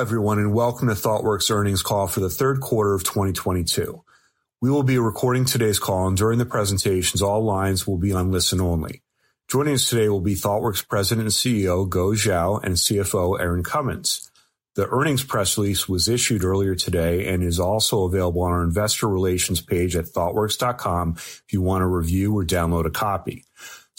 Hello everyone, and welcome to Thoughtworks earnings call for the third quarter of 2022. We will be recording today's call, and during the presentations, all lines will be on listen only. Joining us today will be Thoughtworks President and CEO, Guo Xiao, and CFO, Erin Cummins. The earnings press release was issued earlier today and is also available on our investor relations page at thoughtworks.com if you wanna review or download a copy.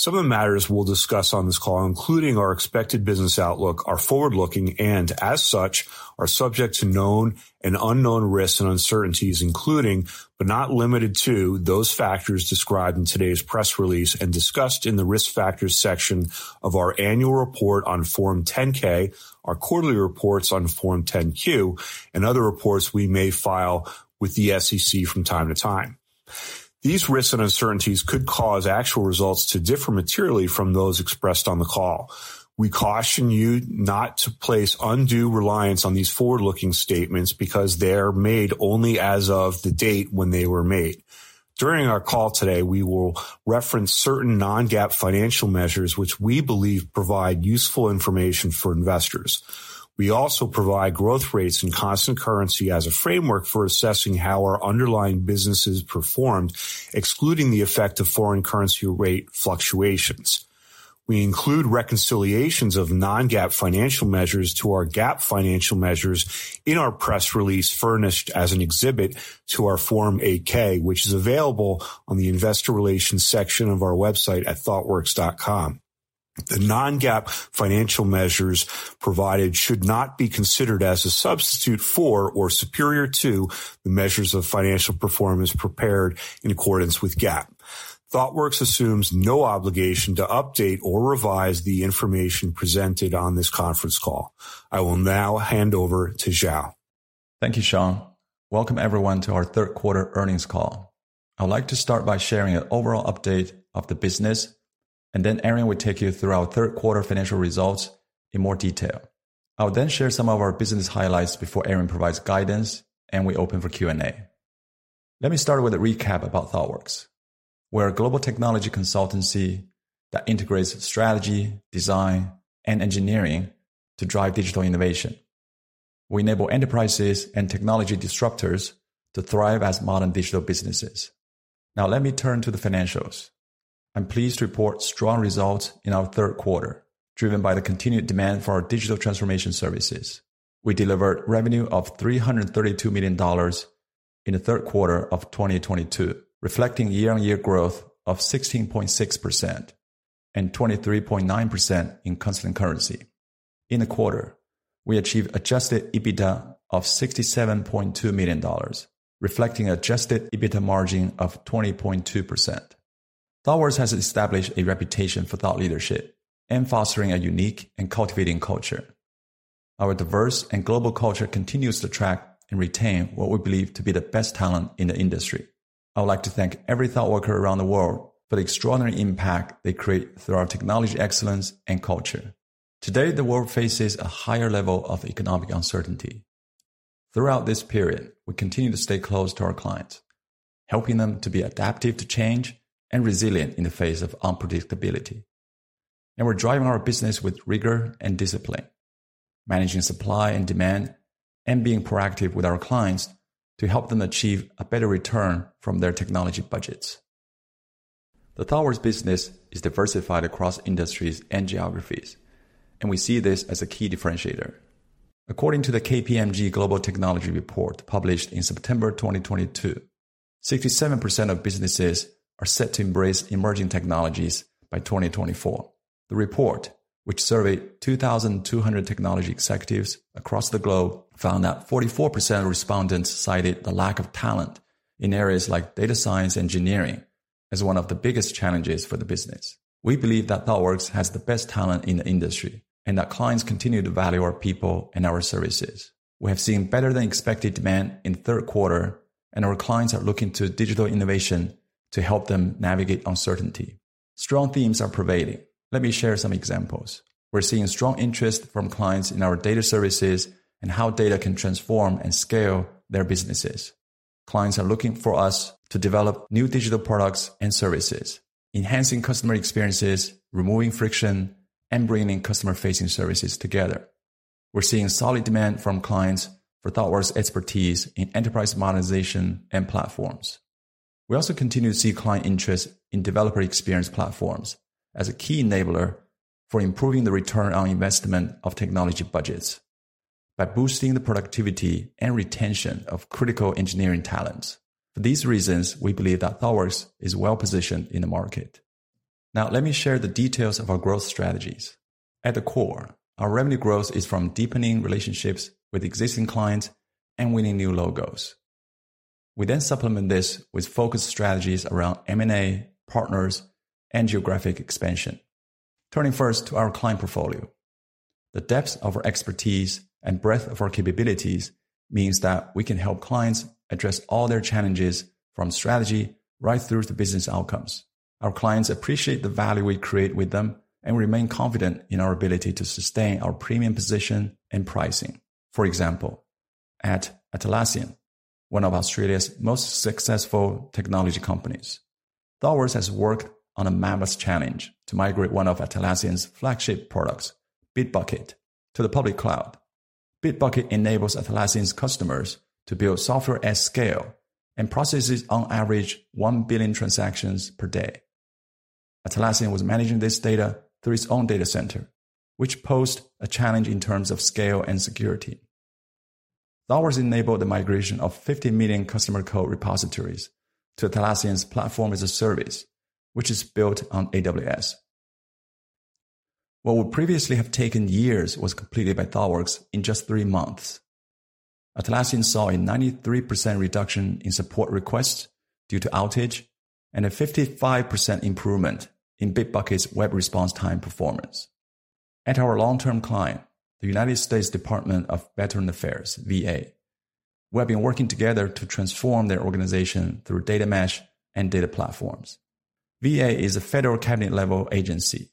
Some of the matters we'll discuss on this call, including our expected business outlook, are forward-looking, and as such, are subject to known and unknown risks and uncertainties, including, but not limited to, those factors described in today's press release and discussed in the Risk Factors section of our annual report on Form 10-K, our quarterly reports on Form 10-Q, and other reports we may file with the SEC from time to time. These risks and uncertainties could cause actual results to differ materially from those expressed on the call. We caution you not to place undue reliance on these forward-looking statements because they're made only as of the date when they were made. During our call today, we will reference certain non-GAAP financial measures which we believe provide useful information for investors. We also provide growth rates and constant currency as a framework for assessing how our underlying businesses performed, excluding the effect of foreign currency rate fluctuations. We include reconciliations of non-GAAP financial measures to our GAAP financial measures in our press release furnished as an exhibit to our Form 8-K, which is available on the investor relations section of our website at thoughtworks.com. The non-GAAP financial measures provided should not be considered as a substitute for or superior to the measures of financial performance prepared in accordance with GAAP. Thoughtworks assumes no obligation to update or revise the information presented on this conference call. I will now hand over to Xiao. Thank you, Sean. Welcome everyone to our third quarter earnings call. I would like to start by sharing an overall update of the business, and then Erin will take you through our third quarter financial results in more detail. I'll then share some of our business highlights before Erin provides guidance, and we open for Q&A. Let me start with a recap about Thoughtworks. We're a global technology consultancy that integrates strategy, design, and engineering to drive digital innovation. We enable enterprises and technology disruptors to thrive as modern digital businesses. Now let me turn to the financials. I'm pleased to report strong results in our third quarter, driven by the continued demand for our digital transformation services. We delivered revenue of $332 million in the third quarter of 2022, reflecting year-on-year growth of 16.6% and 23.9% in constant currency. In the quarter, we achieved Adjusted EBITDA of $67.2 million, reflecting Adjusted EBITDA margin of 20.2%. Thoughtworks has established a reputation for thought leadership and fostering a unique and cultivating culture. Our diverse and global culture continues to attract and retain what we believe to be the best talent in the industry. I would like to thank every Thoughtworker around the world for the extraordinary impact they create through our technology excellence and culture. Today, the world faces a higher level of economic uncertainty. Throughout this period, we continue to stay close to our clients, helping them to be adaptive to change and resilient in the face of unpredictability. We're driving our business with rigor and discipline, managing supply and demand, and being proactive with our clients to help them achieve a better return from their technology budgets. The Thoughtworks business is diversified across industries and geographies, and we see this as a key differentiator. According to the KPMG Global Technology Report published in September 2022, 67% of businesses are set to embrace emerging technologies by 2024. The report, which surveyed 2,200 technology executives across the globe, found that 44% of respondents cited the lack of talent in areas like data science engineering as one of the biggest challenges for the business. We believe that Thoughtworks has the best talent in the industry and that clients continue to value our people and our services. We have seen better than expected demand in the third quarter, and our clients are looking to digital innovation to help them navigate uncertainty. Strong themes are pervading. Let me share some examples. We're seeing strong interest from clients in our data services and how data can transform and scale their businesses. Clients are looking for us to develop new digital products and services, enhancing customer experiences, removing friction, and bringing customer-facing services together. We're seeing solid demand from clients for Thoughtworks expertise in enterprise modernization and platforms. We also continue to see client interest in developer experience platforms as a key enabler for improving the return on investment of technology budgets by boosting the productivity and retention of critical engineering talents. For these reasons, we believe that Thoughtworks is well positioned in the market. Now let me share the details of our growth strategies. At the core, our revenue growth is from deepening relationships with existing clients and winning new logos. We then supplement this with focused strategies around M&A, partners, and geographic expansion. Turning first to our client portfolio, the depth of our expertise and breadth of our capabilities means that we can help clients address all their challenges from strategy right through to business outcomes. Our clients appreciate the value we create with them and remain confident in our ability to sustain our premium position and pricing. For example, at Atlassian, one of Australia's most successful technology companies, Thoughtworks has worked on a mammoth challenge to migrate one of Atlassian's flagship products, Bitbucket, to the public cloud. Bitbucket enables Atlassian's customers to build software at scale and processes on average 1 billion transactions per day. Atlassian was managing this data through its own data center, which posed a challenge in terms of scale and security. Thoughtworks enabled the migration of 50 million customer code repositories to Atlassian's platform as a service, which is built on AWS. What would previously have taken years was completed by Thoughtworks in just three months. Atlassian saw a 93% reduction in support requests due to outage and a 55% improvement in Bitbucket's web response time performance. At our long-term client, the U.S. Department of Veterans Affairs, VA, we have been working together to transform their organization through data mesh and data platforms. VA is a federal cabinet-level agency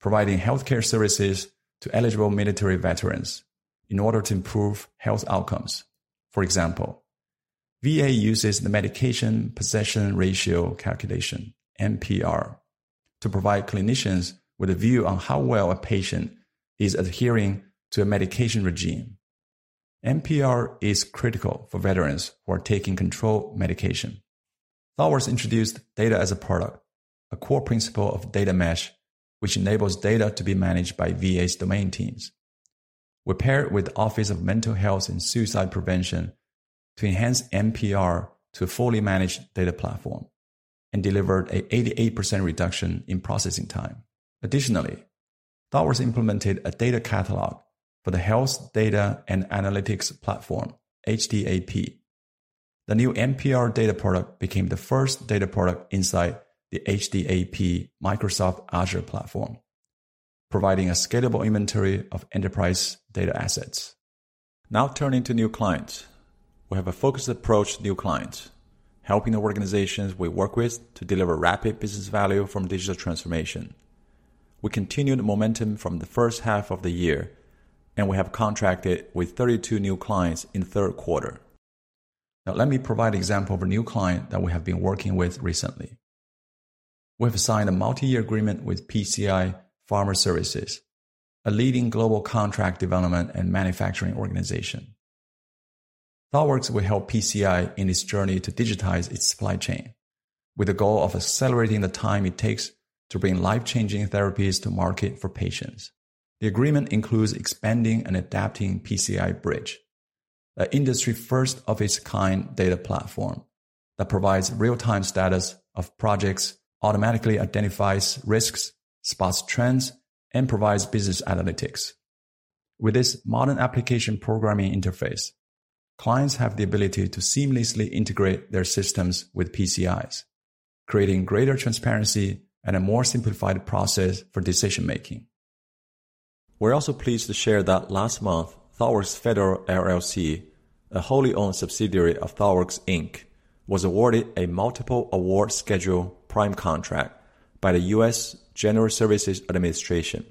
providing healthcare services to eligible military veterans in order to improve health outcomes. For example, VA uses the medication possession ratio calculation, MPR, to provide clinicians with a view on how well a patient is adhering to a medication regimen. MPR is critical for veterans who are taking controlled medication. Thoughtworks introduced data as a product, a core principle of Data Mesh, which enables data to be managed by VA's domain teams. We paired with Office of Mental Health and Suicide Prevention to enhance MPR to a fully managed data platform and delivered a 88% reduction in processing time. Additionally, Thoughtworks implemented a data catalog for the Health Data and Analytics Platform, HDAP. The new MPR data product became the first data product inside the HDAP Microsoft Azure platform, providing a scalable inventory of enterprise data assets. Now turning to new clients. We have a focused approach to new clients, helping the organizations we work with to deliver rapid business value from digital transformation. We continued the momentum from the first half of the year, and we have contracted with 32 new clients in the third quarter. Now, let me provide an example of a new client that we have been working with recently. We have signed a multi-year agreement with PCI Pharma Services, a leading global contract development and manufacturing organization. Thoughtworks will help PCI in its journey to digitize its supply chain with the goal of accelerating the time it takes to bring life-changing therapies to market for patients. The agreement includes expanding and adapting PCI Bridge, an industry first of its kind data platform that provides real-time status of projects, automatically identifies risks, spots trends, and provides business analytics. With this modern application programming interface, clients have the ability to seamlessly integrate their systems with PCI's, creating greater transparency and a more simplified process for decision-making. We're also pleased to share that last month, Thoughtworks Federal LLC, a wholly owned subsidiary of Thoughtworks, Inc., was awarded a Multiple Award Schedule prime contract by the U.S. General Services Administration.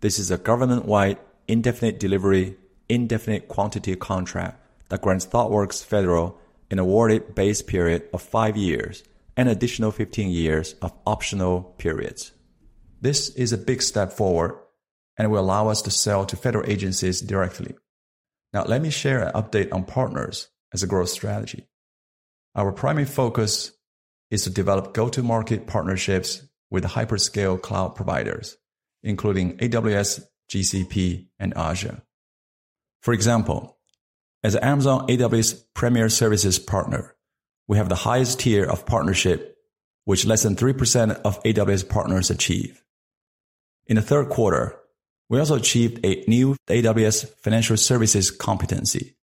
This is a government-wide indefinite delivery, indefinite quantity contract that grants Thoughtworks Federal an awarded base period of five years and additional 15 years of optional periods. This is a big step forward and will allow us to sell to federal agencies directly. Now let me share an update on partners as a growth strategy. Our primary focus is to develop go-to-market partnerships with hyperscale cloud providers, including AWS, GCP, and Azure. For example, as an AWS Premier Services partner, we have the highest tier of partnership which less than 3% of AWS partners achieve. In the third quarter, we also achieved a new AWS financial services competency.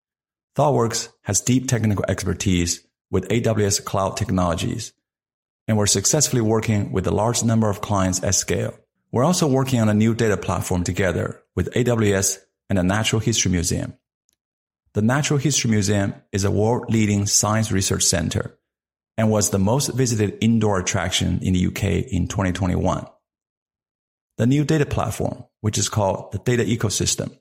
Thoughtworks has deep technical expertise with AWS cloud technologies, and we're successfully working with a large number of clients at scale. We're also working on a new data platform together with AWS and the Natural History Museum. The Natural History Museum is a world-leading science research center and was the most visited indoor attraction in the U.K. in 2021. The new data platform, which is called the Data Ecosystem,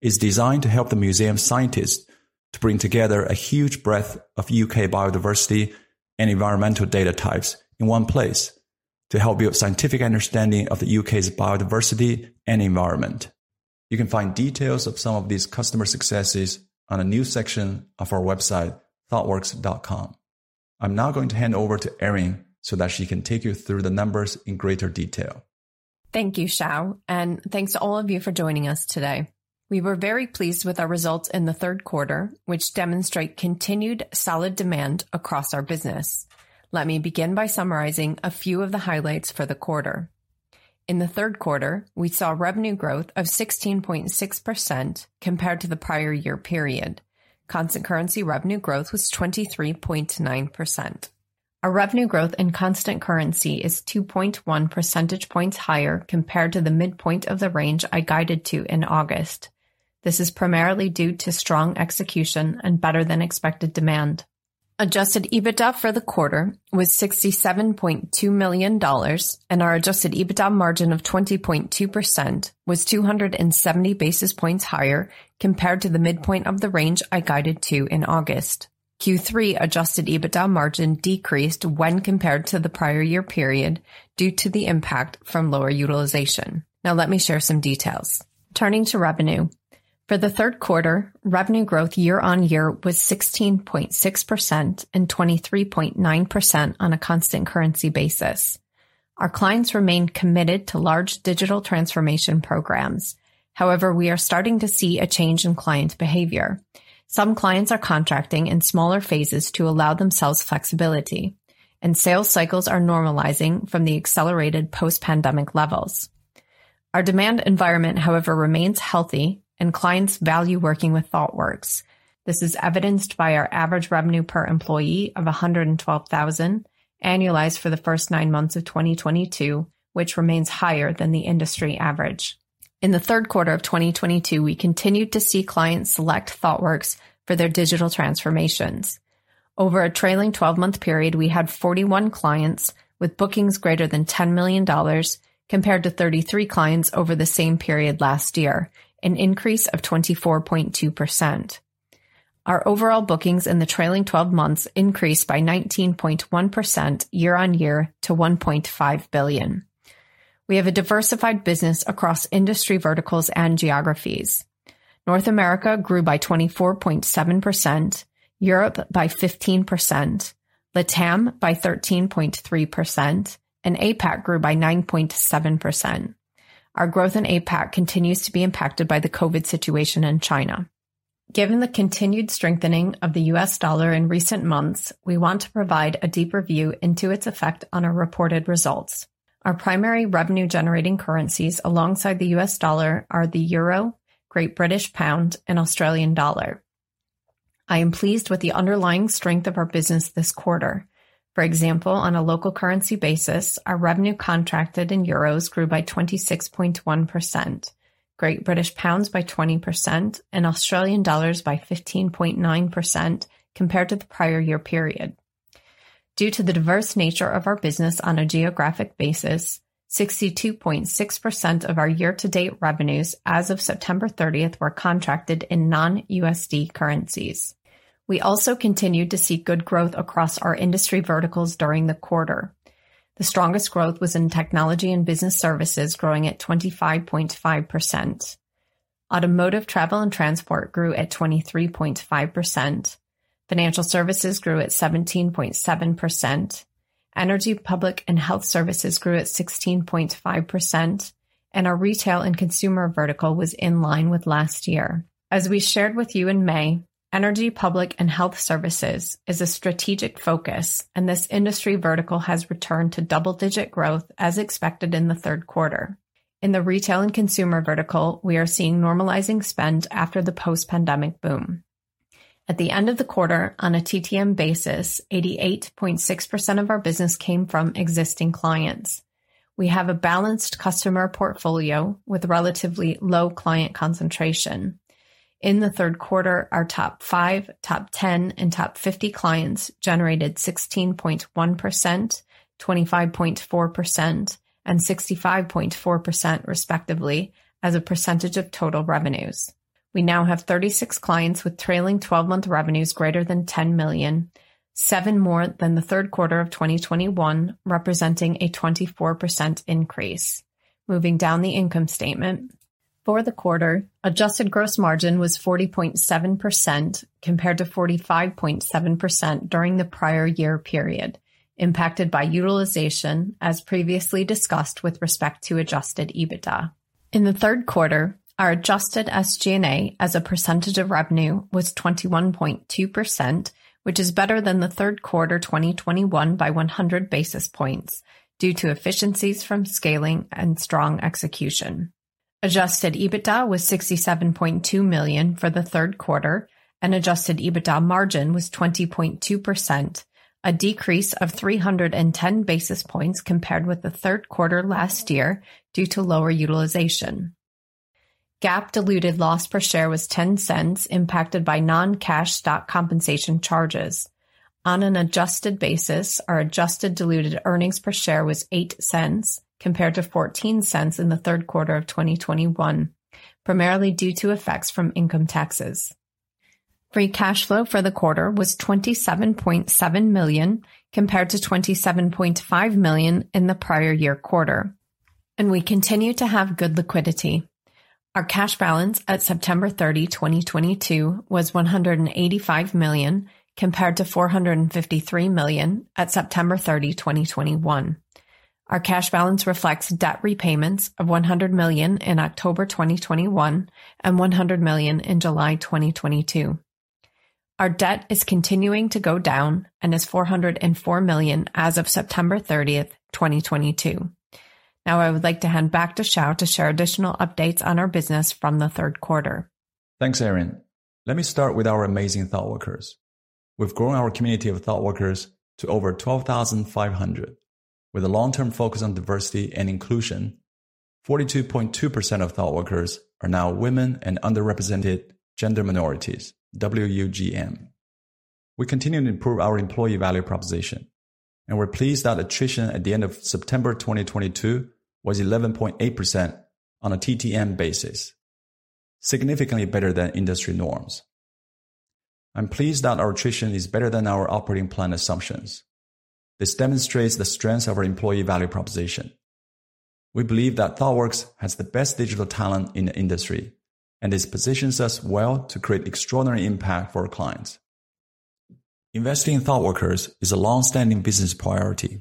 is designed to help the museum scientists to bring together a huge breadth of U.K. biodiversity and environmental data types in one place to help build scientific understanding of the U.K.'s biodiversity and environment. You can find details of some of these customer successes on a new section of our website, thoughtworks.com. I'm now going to hand over to Erin so that she can take you through the numbers in greater detail. Thank you, Xiao, and thanks to all of you for joining us today. We were very pleased with our results in the third quarter, which demonstrate continued solid demand across our business. Let me begin by summarizing a few of the highlights for the quarter. In the third quarter, we saw revenue growth of 16.6% compared to the prior year period. Constant currency revenue growth was 23.9%. Our revenue growth in constant currency is 2.1 percentage points higher compared to the midpoint of the range I guided to in August. This is primarily due to strong execution and better than expected demand. Adjusted EBITDA for the quarter was $67.2 million, and our Adjusted EBITDA margin of 20.2% was 270 basis points higher compared to the midpoint of the range I guided to in August. Q3 Adjusted EBITDA margin decreased when compared to the prior year period due to the impact from lower utilization. Now let me share some details. Turning to revenue. For the third quarter, revenue growth year-over-year was 16.6% and 23.9% on a constant currency basis. Our clients remain committed to large digital transformation programs. However, we are starting to see a change in client behavior. Some clients are contracting in smaller phases to allow themselves flexibility, and sales cycles are normalizing from the accelerated post-pandemic levels. Our demand environment, however, remains healthy, and clients value working with Thoughtworks. This is evidenced by our average revenue per employee of $112,000, annualized for the first nine months of 2022, which remains higher than the industry average. In the third quarter of 2022, we continued to see clients select Thoughtworks for their digital transformations. Over a trailing 12-month period, we had 41 clients with bookings greater than $10 million compared to 33 clients over the same period last year, an increase of 24.2%. Our overall bookings in the trailing 12 months increased by 19.1% year-on-year to $1.5 billion. We have a diversified business across industry verticals and geographies. North America grew by 24.7%, Europe by 15%, LATAM by 13.3%, and APAC grew by 9.7%. Our growth in APAC continues to be impacted by the COVID situation in China. Given the continued strengthening of the US dollar in recent months, we want to provide a deeper view into its effect on our reported results. Our primary revenue-generating currencies alongside the U.S. dollar are the euro, Great British pound, and Australian dollar. I am pleased with the underlying strength of our business this quarter. For example, on a local currency basis, our revenue contracted in euros grew by 26.1%, Great British pounds by 20%, and Australian dollars by 15.9% compared to the prior year period. Due to the diverse nature of our business on a geographic basis, 62.6% of our year-to-date revenues as of September 30th were contracted in non-USD currencies. We also continued to see good growth across our industry verticals during the quarter. The strongest growth was in technology and business services, growing at 25.5%. Automotive travel and transport grew at 23.5%. Financial services grew at 17.7%. Energy, public, and health services grew at 16.5%, and our retail and consumer vertical was in line with last year. As we shared with you in May, energy, public, and health services is a strategic focus, and this industry vertical has returned to double-digit growth as expected in the third quarter. In the retail and consumer vertical, we are seeing normalizing spend after the post-pandemic boom. At the end of the quarter, on a TTM basis, 88.6% of our business came from existing clients. We have a balanced customer portfolio with relatively low client concentration. In the third quarter, our top five, top ten, and top fifty clients generated 16.1%, 25.4%, and 65.4%, respectively, as a percentage of total revenues. We now have 36 clients with trailing 12-month revenues greater than $10 million, seven more than the third quarter of 2021, representing a 24% increase. Moving down the income statement. For the quarter, adjusted gross margin was 40.7% compared to 45.7% during the prior year period, impacted by utilization as previously discussed with respect to Adjusted EBITDA. In the third quarter, our adjusted SG&A as a percentage of revenue was 21.2%, which is better than the third quarter 2021 by 100 basis points due to efficiencies from scaling and strong execution. Adjusted EBITDA was $67.2 million for the third quarter, and Adjusted EBITDA margin was 20.2%, a decrease of 310 basis points compared with the third quarter last year due to lower utilization. GAAP diluted loss per share was $0.10, impacted by non-cash stock compensation charges. On an adjusted basis, our adjusted diluted earnings per share was $0.08 compared to $0.14 in the third quarter of 2021, primarily due to effects from income taxes. Free cash flow for the quarter was $27.7 million compared to $27.5 million in the prior year quarter, and we continue to have good liquidity. Our cash balance at September 30, 2022, was $185 million compared to $453 million at September 30, 2021. Our cash balance reflects debt repayments of $100 million in October 2021 and $100 million in July 2022. Our debt is continuing to go down and is $404 million as of September 30, 2022. Now I would like to hand back to Xiao to share additional updates on our business from the third quarter. Thanks, Erin. Let me start with our amazing Thoughtworkers. We've grown our community of Thoughtworkers to over 12,500. With a long-term focus on diversity and inclusion. 42.2% of Thoughtworkers are now women and underrepresented gender minorities, WUGM. We continue to improve our employee value proposition, and we're pleased that attrition at the end of September 2022 was 11.8% on a TTM basis, significantly better than industry norms. I'm pleased that our attrition is better than our operating plan assumptions. This demonstrates the strength of our employee value proposition. We believe that Thoughtworks has the best digital talent in the industry, and this positions us well to create extraordinary impact for our clients. Investing in Thoughtworkers is a long-standing business priority.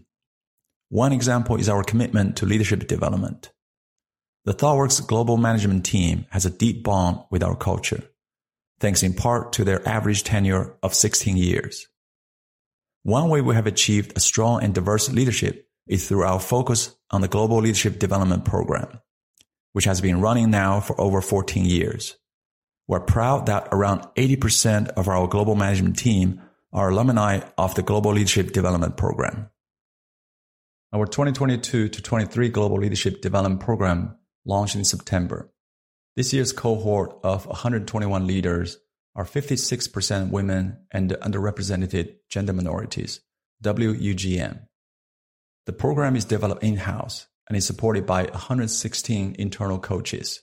One example is our commitment to leadership development. The Thoughtworks global management team has a deep bond with our culture, thanks in part to their average tenure of 16 years. One way we have achieved a strong and diverse leadership is through our focus on the Global Leadership Development Program, which has been running now for over 14 years. We're proud that around 80% of our global management team are alumni of the Global Leadership Development Program. Our 2022-2023 Global Leadership Development Program launched in September. This year's cohort of 121 leaders are 56% women and underrepresented gender minorities, WUGM. The program is developed in-house and is supported by 116 internal coaches,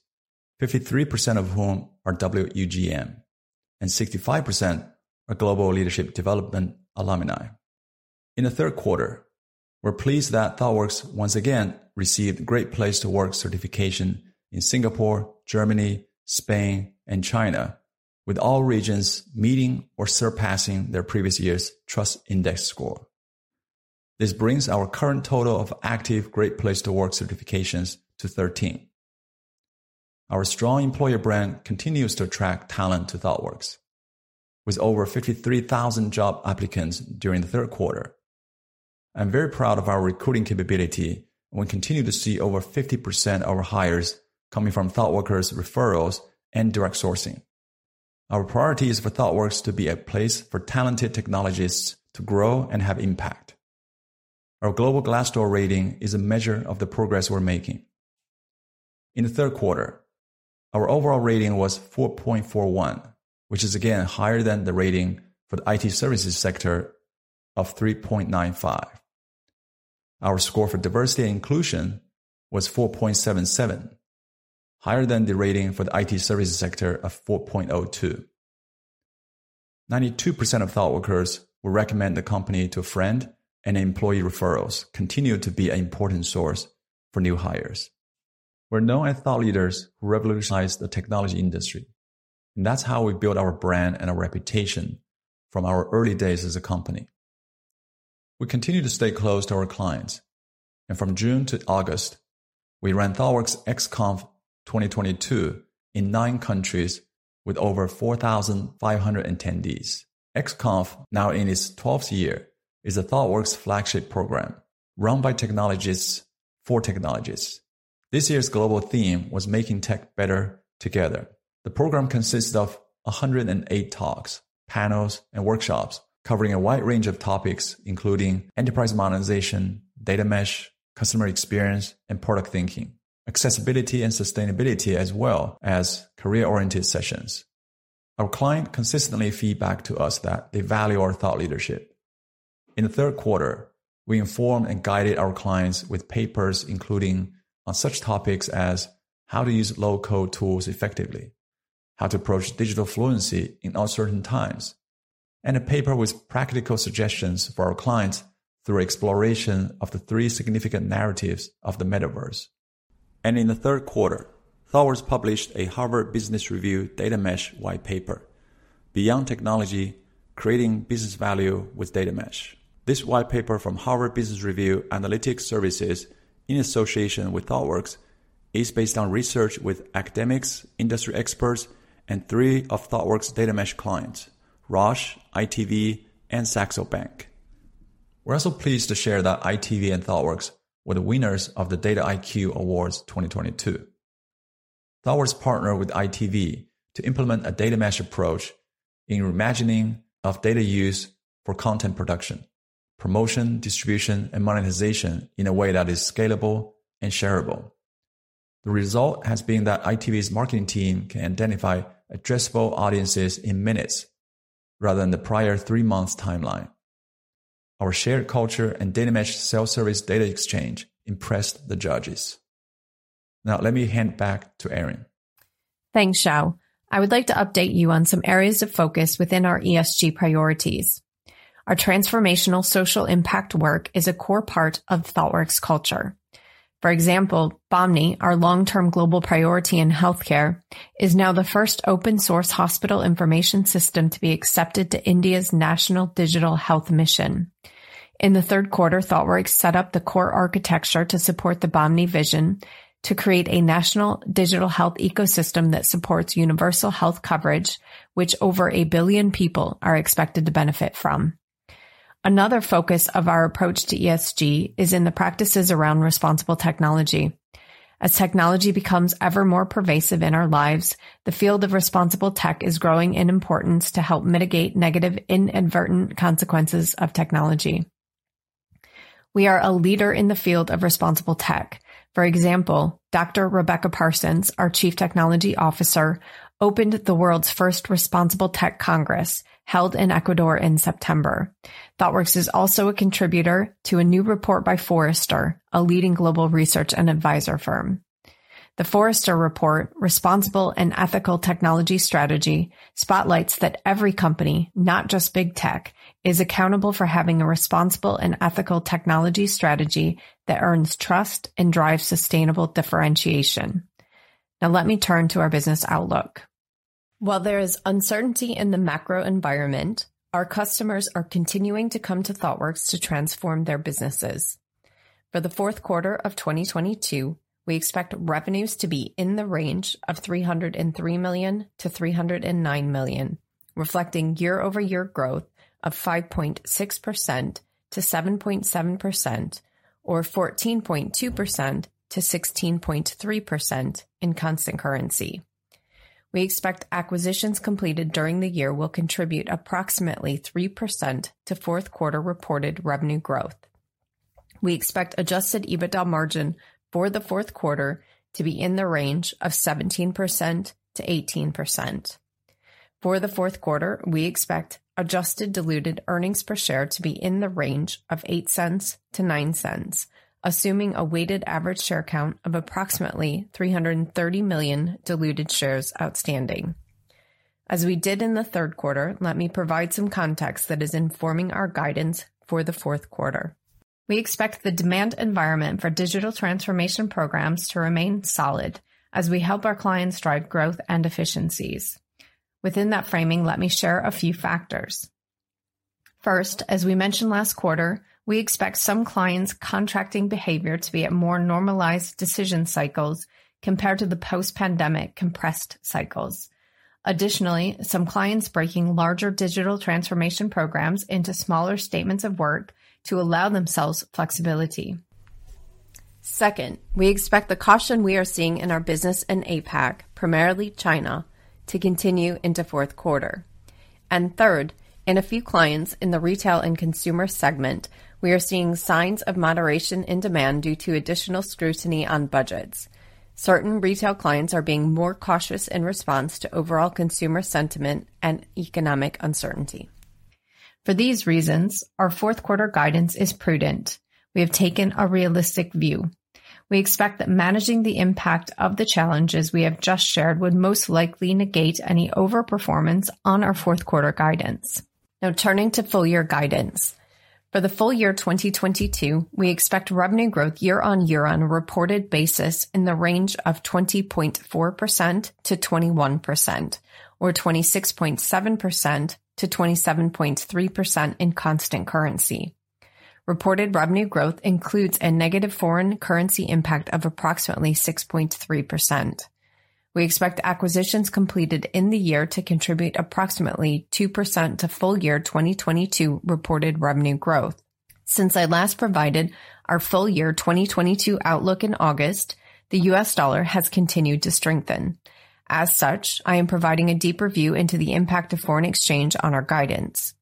53% of whom are WUGM, and 65% are Global Leadership Development alumni. In the third quarter, we're pleased that Thoughtworks once again received Great Place to Work certification in Singapore, Germany, Spain, and China, with all regions meeting or surpassing their previous year's trust index score. This brings our current total of active Great Place to Work certifications to 13. Our strong employer brand continues to attract talent to Thoughtworks, with over 53,000 job applicants during the third quarter. I'm very proud of our recruiting capability, and we continue to see over 50% of our hires coming from Thoughtworkers referrals and direct sourcing. Our priority is for Thoughtworks to be a place for talented technologists to grow and have impact. Our global Glassdoor rating is a measure of the progress we're making. In the third quarter, our overall rating was 4.41, which is again higher than the rating for the IT services sector of 3.95. Our score for diversity and inclusion was 4.77, higher than the rating for the IT services sector of 4.02. 92% of Thoughtworkers would recommend the company to a friend, and employee referrals continue to be an important source for new hires. We're known as thought leaders who revolutionized the technology industry, and that's how we built our brand and our reputation from our early days as a company. We continue to stay close to our clients, and from June to August, we ran Thoughtworks XConf 2022 in nine countries with over 4,500 attendees. XConf, now in its twelfth year, is a Thoughtworks flagship program run by technologists for technologists. This year's global theme was Making Tech Better Together. The program consists of 108 talks, panels, and workshops covering a wide range of topics, including enterprise monetization, Data Mesh, customer experience, and product thinking, accessibility and sustainability, as well as career-oriented sessions. Our client consistently feedback to us that they value our thought leadership. In the third quarter, we informed and guided our clients with papers including on such topics as how to use low-code tools effectively, how to approach digital fluency in uncertain times, and a paper with practical suggestions for our clients through exploration of the three significant narratives of the metaverse. In the third quarter, Thoughtworks published a Harvard Business Review Data Mesh whitepaper, Beyond Technology: Creating Business Value with Data Mesh. This whitepaper from Harvard Business Review Analytic Services in association with Thoughtworks is based on research with academics, industry experts, and three of Thoughtworks' data mesh clients, Roche, ITV, and Saxo Bank. We're also pleased to share that ITV and Thoughtworks were the winners of the DataIQ Awards 2022. Thoughtworks partnered with ITV to implement a data mesh approach in reimagining of data use for content production, promotion, distribution, and monetization in a way that is scalable and shareable. The result has been that ITV's marketing team can identify addressable audiences in minutes rather than the prior three months timeline. Our shared culture and data mesh self-service data exchange impressed the judges. Now let me hand back to Erin. Thanks, Xiao. I would like to update you on some areas of focus within our ESG priorities. Our transformational social impact work is a core part of Thoughtworks culture. For example, Bahmni, our long-term global priority in healthcare, is now the first open-source hospital information system to be accepted to India's National Digital Health Mission. In the third quarter, Thoughtworks set up the core architecture to support the Bahmni vision to create a national digital health ecosystem that supports universal health coverage, which over a billion people are expected to benefit from. Another focus of our approach to ESG is in the practices around responsible technology. As technology becomes ever more pervasive in our lives, the field of responsible tech is growing in importance to help mitigate negative inadvertent consequences of technology. We are a leader in the field of responsible tech. For example, Dr. Rebecca Parsons, our Chief Technology Officer, opened the world's first Congress on Responsible Technology held in Ecuador in September. Thoughtworks is also a contributor to a new report by Forrester, a leading global research and advisor firm. The Forrester report, Responsible and Ethical Technology Strategy, spotlights that every company, not just big tech, is accountable for having a responsible and ethical technology strategy that earns trust and drives sustainable differentiation. Now let me turn to our business outlook. While there is uncertainty in the macro environment, our customers are continuing to come to Thoughtworks to transform their businesses. For the fourth quarter of 2022, we expect revenues to be in the range of $303 million-$309 million, reflecting year-over-year growth of 5.6%-7.7%, or 14.2%-16.3% in constant currency. We expect acquisitions completed during the year will contribute approximately 3% to fourth quarter reported revenue growth. We expect Adjusted EBITDA margin for the fourth quarter to be in the range of 17%-18%. For the fourth quarter, we expect adjusted diluted earnings per share to be in the range of $0.08-$0.09, assuming a weighted average share count of approximately 330 million diluted shares outstanding. As we did in the third quarter, let me provide some context that is informing our guidance for the fourth quarter. We expect the demand environment for digital transformation programs to remain solid as we help our clients drive growth and efficiencies. Within that framing, let me share a few factors. First, as we mentioned last quarter, we expect some clients' contracting behavior to be at more normalized decision cycles compared to the post-pandemic compressed cycles. Additionally, some clients breaking larger digital transformation programs into smaller statements of work to allow themselves flexibility. Second, we expect the caution we are seeing in our business in APAC, primarily China, to continue into fourth quarter. Third, in a few clients in the retail and consumer segment, we are seeing signs of moderation in demand due to additional scrutiny on budgets. Certain retail clients are being more cautious in response to overall consumer sentiment and economic uncertainty. For these reasons, our fourth quarter guidance is prudent. We have taken a realistic view. We expect that managing the impact of the challenges we have just shared would most likely negate any overperformance on our fourth quarter guidance. Now turning to full year guidance. For the full year 2022, we expect revenue growth year-on-year on a reported basis in the range of 20.4%-21% or 26.7%-27.3% in constant currency. Reported revenue growth includes a negative foreign currency impact of approximately 6.3%. We expect acquisitions completed in the year to contribute approximately 2% to full year 2022 reported revenue growth. Since I last provided our full year 2022 outlook in August, the US dollar has continued to strengthen. As such, I am providing a deeper view into the impact of foreign exchange on our guidance.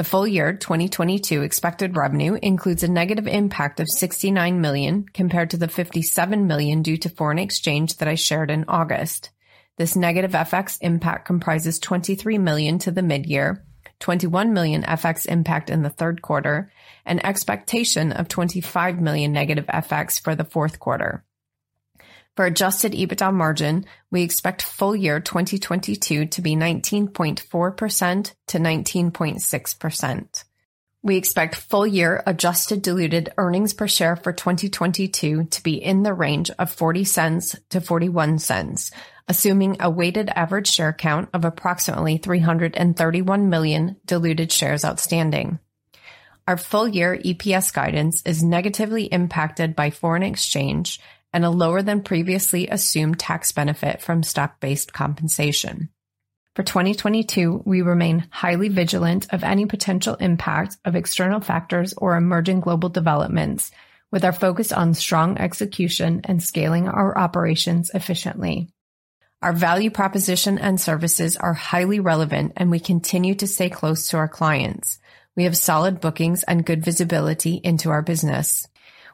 The full year 2022 expected revenue includes a negative impact of $69 million compared to the $57 million due to foreign exchange that I shared in August. This negative FX impact comprises $23 million through mid-year, $21 million FX impact in the third quarter, an expectation of $25 million negative FX for the fourth quarter. For Adjusted EBITDA margin, we expect full year 2022 to be 19.4%-19.6%. We expect full year adjusted diluted earnings per share for 2022 to be in the range of $0.40-$0.41, assuming a weighted average share count of approximately 331 million diluted shares outstanding. Our full year EPS guidance is negatively impacted by foreign exchange and a lower than previously assumed tax benefit from stock-based compensation. For 2022, we remain highly vigilant of any potential impact of external factors or emerging global developments with our focus on strong execution and scaling our operations efficiently. Our value proposition and services are highly relevant, and we continue to stay close to our clients. We have solid bookings and good visibility into our business.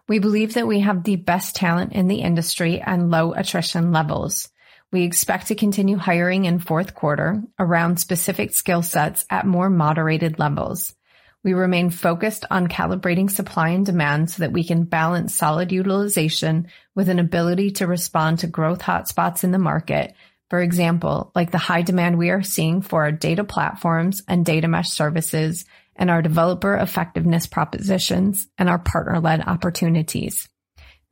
We believe that we have the best talent in the industry and low attrition levels. We expect to continue hiring in fourth quarter around specific skill sets at more moderated levels. We remain focused on calibrating supply and demand so that we can balance solid utilization with an ability to respond to growth hotspots in the market. For example, like the high demand we are seeing for our data platforms and Data Mesh services and our developer effectiveness propositions and our partner-led opportunities.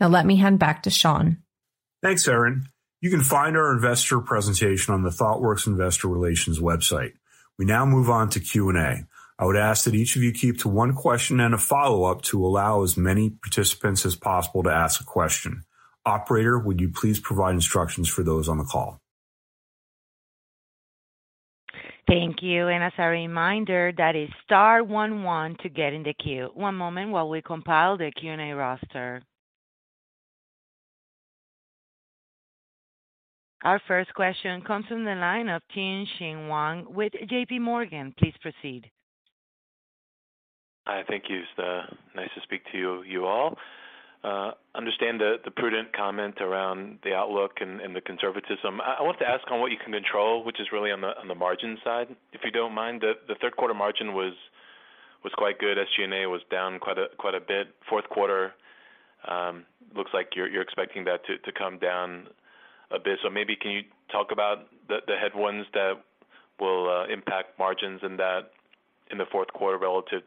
Now let me hand back to Sean. Thanks, Erin. You can find our investor presentation on the Thoughtworks Investor Relations website. We now move on to Q&A. I would ask that each of you keep to one question and a follow-up to allow as many participants as possible to ask a question. Operator, would you please provide instructions for those on the call? Thank you. As a reminder, that is star one one to get in the queue. One moment while we compile the Q&A roster. Our first question comes from the line of Tien-tsin Huang with JPMorgan. Please proceed. Hi. Thank you, Esther. Nice to speak to you all. I understand the prudent comment around the outlook and the conservatism. I want to ask on what you can control, which is really on the margin side, if you don't mind. The third quarter margin was quite good. SG&A was down quite a bit. Fourth quarter looks like you're expecting that to come down a bit. Maybe can you talk about the headwinds that will impact margins in that, in the fourth quarter relative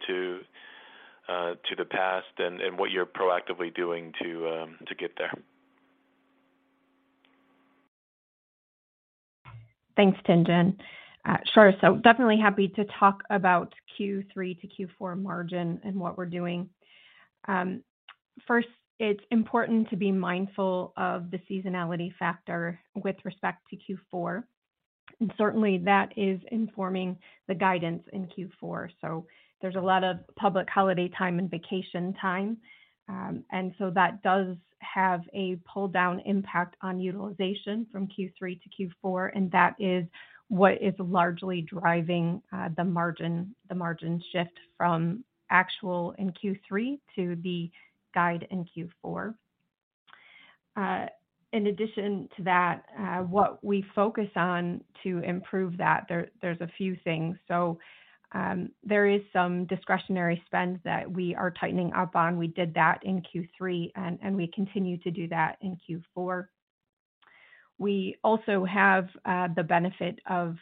to the past and what you're proactively doing to get there? Thanks, Tien-tsin. Sure. Definitely happy to talk about Q3 to Q4 margin and what we're doing. First it's important to be mindful of the seasonality factor with respect to Q4, and certainly that is informing the guidance in Q4. There's a lot of public holiday time and vacation time. That does have a pull down impact on utilization from Q3to Q4, and that is what is largely driving the margin shift from actual in Q3 to the guide in Q4. In addition to that, what we focus on to improve that, there's a few things. There is some discretionary spend that we are tightening up on. We did that in Q3, and we continue to do that in Q4. We also have the benefit of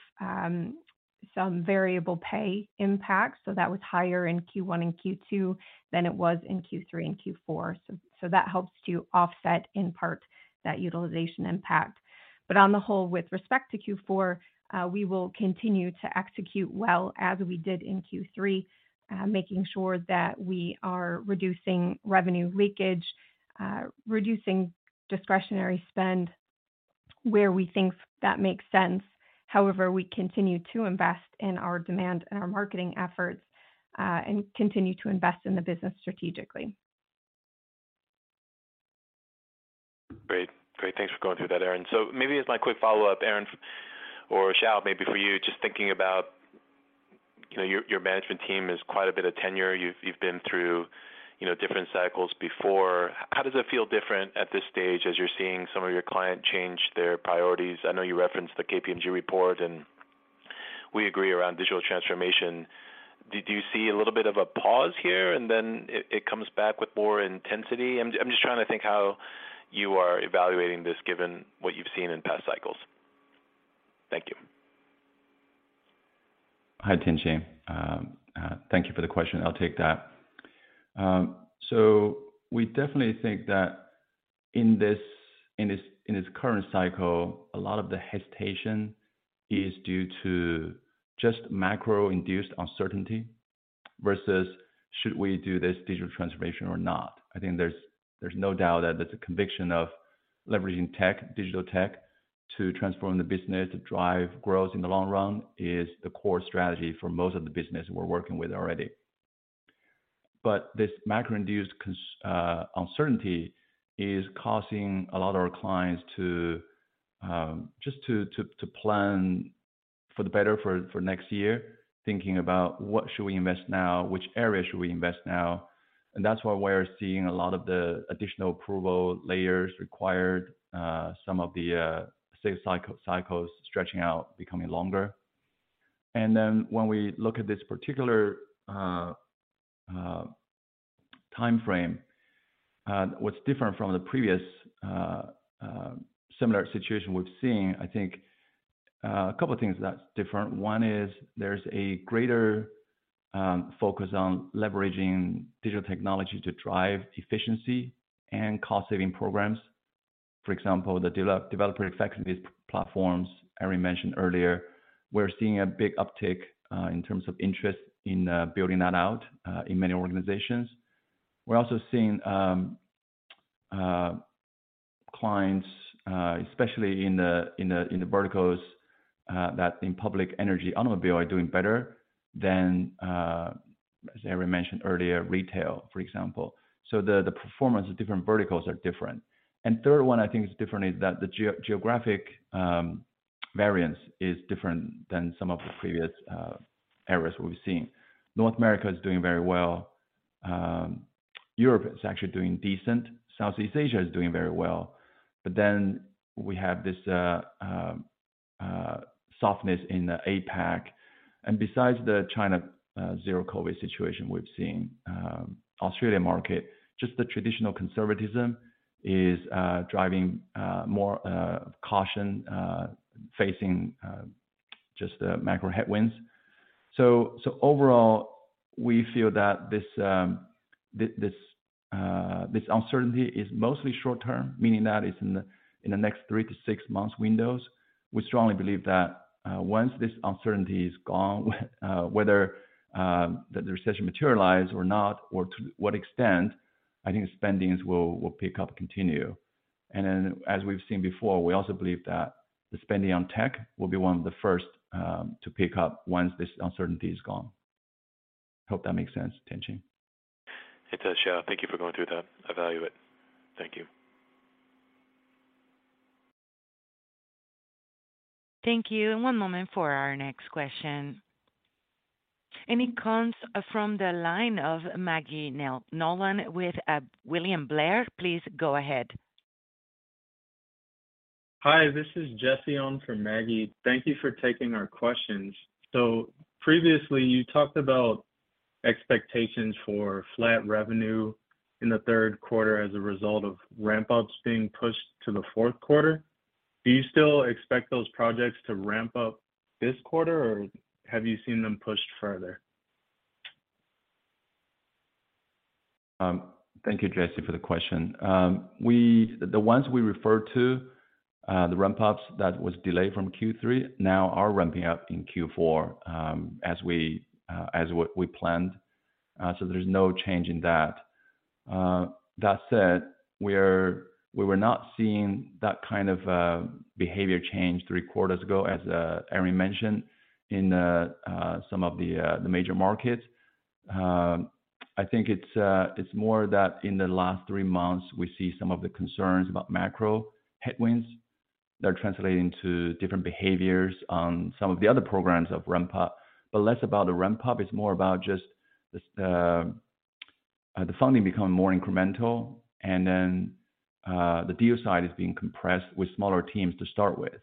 some variable pay impact, so that was higher in Q1 and Q2 than it was in Q3 and Q4. That helps to offset in part that utilization impact. On the whole, with respect to Q4, we will continue to execute well as we did in Q3, making sure that we are reducing revenue leakage, reducing discretionary spend where we think that makes sense. However, we continue to invest in our demand and our marketing efforts, and continue to invest in the business strategically. Great. Thanks for going through that, Erin. Maybe as my quick follow-up, Erin, or Xiao, maybe for you, just thinking about, you know, your management team has quite a bit of tenure. You've been through, you know, different cycles before. How does it feel different at this stage as you're seeing some of your client change their priorities? I know you referenced the KPMG report, and we agree around digital transformation. Do you see a little bit of a pause here, and then it comes back with more intensity? I'm just trying to think how you are evaluating this, given what you've seen in past cycles. Thank you. Hi, Tien-tsin. Thank you for the question. I'll take that. We definitely think that in this current cycle, a lot of the hesitation is due to just macro-induced uncertainty versus should we do this digital transformation or not. I think there's no doubt that there's a conviction of leveraging tech, digital tech to transform the business, to drive growth in the long run is the core strategy for most of the business we're working with already. This macro-induced uncertainty is causing a lot of our clients to just to plan for the better for next year, thinking about what should we invest now, which area should we invest now, and that's why we're seeing a lot of the additional approval layers required, some of the sales cycles stretching out, becoming longer. When we look at this particular timeframe, what's different from the previous similar situation we've seen, I think, a couple things that's different. One is there's a greater focus on leveraging digital technology to drive efficiency and cost-saving programs. For example, the developer experience platforms Erin mentioned earlier, we're seeing a big uptick in terms of interest in building that out in many organizations. We're also seeing clients especially in the verticals that in public, energy, automobile are doing better than as Erin mentioned earlier, retail, for example. The performance of different verticals are different. Third one I think is different is that the geographic variance is different than some of the previous areas we've seen. North America is doing very well. Europe is actually doing decent. Southeast Asia is doing very well. We have this softness in the APAC. Besides the China zero-COVID situation we've seen, Australia market, just the traditional conservatism is driving more caution facing just the macro headwinds. Overall, we feel that this uncertainty is mostly short-term, meaning that it's in the next three to six months windows. We strongly believe that once this uncertainty is gone, whether the recession materialize or not, or to what extent, I think spendings will pick up continue. As we've seen before, we also believe that the spending on tech will be one of the first to pick up once this uncertainty is gone. Hope that makes sense, Tien-Tsin. It does, Xiao. Thank you for going through that. I value it. Thank you. Thank you. One moment for our next question. It comes from the line of Maggie Nolan with William Blair. Please go ahead. Hi, this is Jesse on for Maggie. Thank you for taking our questions. Previously you talked about expectations for flat revenue in the third quarter as a result of ramp-ups being pushed to the fourth quarter. Do you still expect those projects to ramp up this quarter, or have you seen them pushed further? Thank you, Jesse, for the question. The ones we refer to, the ramp-ups that was delayed from Q3 now are ramping up in Q4, as what we planned. There's no change in that. That said, we were not seeing that kind of behavior change three quarters ago, as Erin mentioned, in some of the major markets. I think it's more that in the last three months we see some of the concerns about macro headwinds that are translating to different behaviors on some of the other programs of ramp-up, but less about the ramp-up. It's more about just the funding becoming more incremental and then the deal side is being compressed with smaller teams to start with.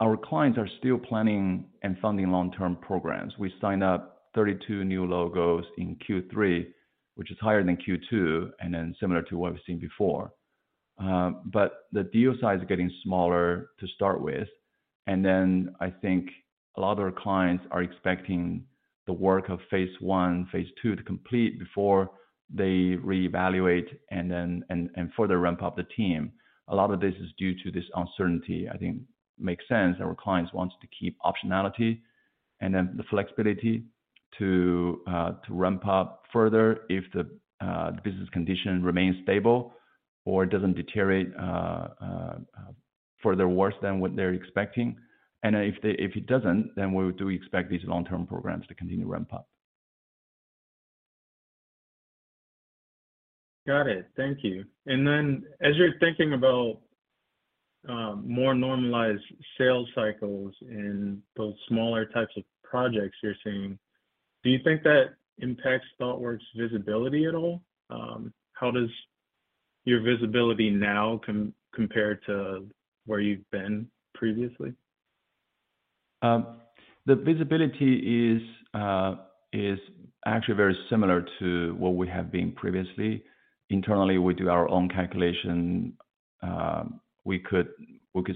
Our clients are still planning and funding long-term programs. We signed up 32 new logos in Q3, which is higher than Q2 and then similar to what we've seen before. The deal size is getting smaller to start with. I think a lot of our clients are expecting the work of phase I, phase II to complete before they reevaluate and further ramp up the team. A lot of this is due to this uncertainty. I think makes sense that our clients wants to keep optionality and then the flexibility to to ramp up further if the business condition remains stable or doesn't deteriorate further worse than what they're expecting. If it doesn't, then we do expect these long-term programs to continue to ramp up. Got it. Thank you. As you're thinking about more normalized sales cycles in those smaller types of projects you're seeing, do you think that impacts Thoughtworks' visibility at all? How does your visibility now compared to where you've been previously? The visibility is actually very similar to what we have been previously. Internally, we do our own calculation. We could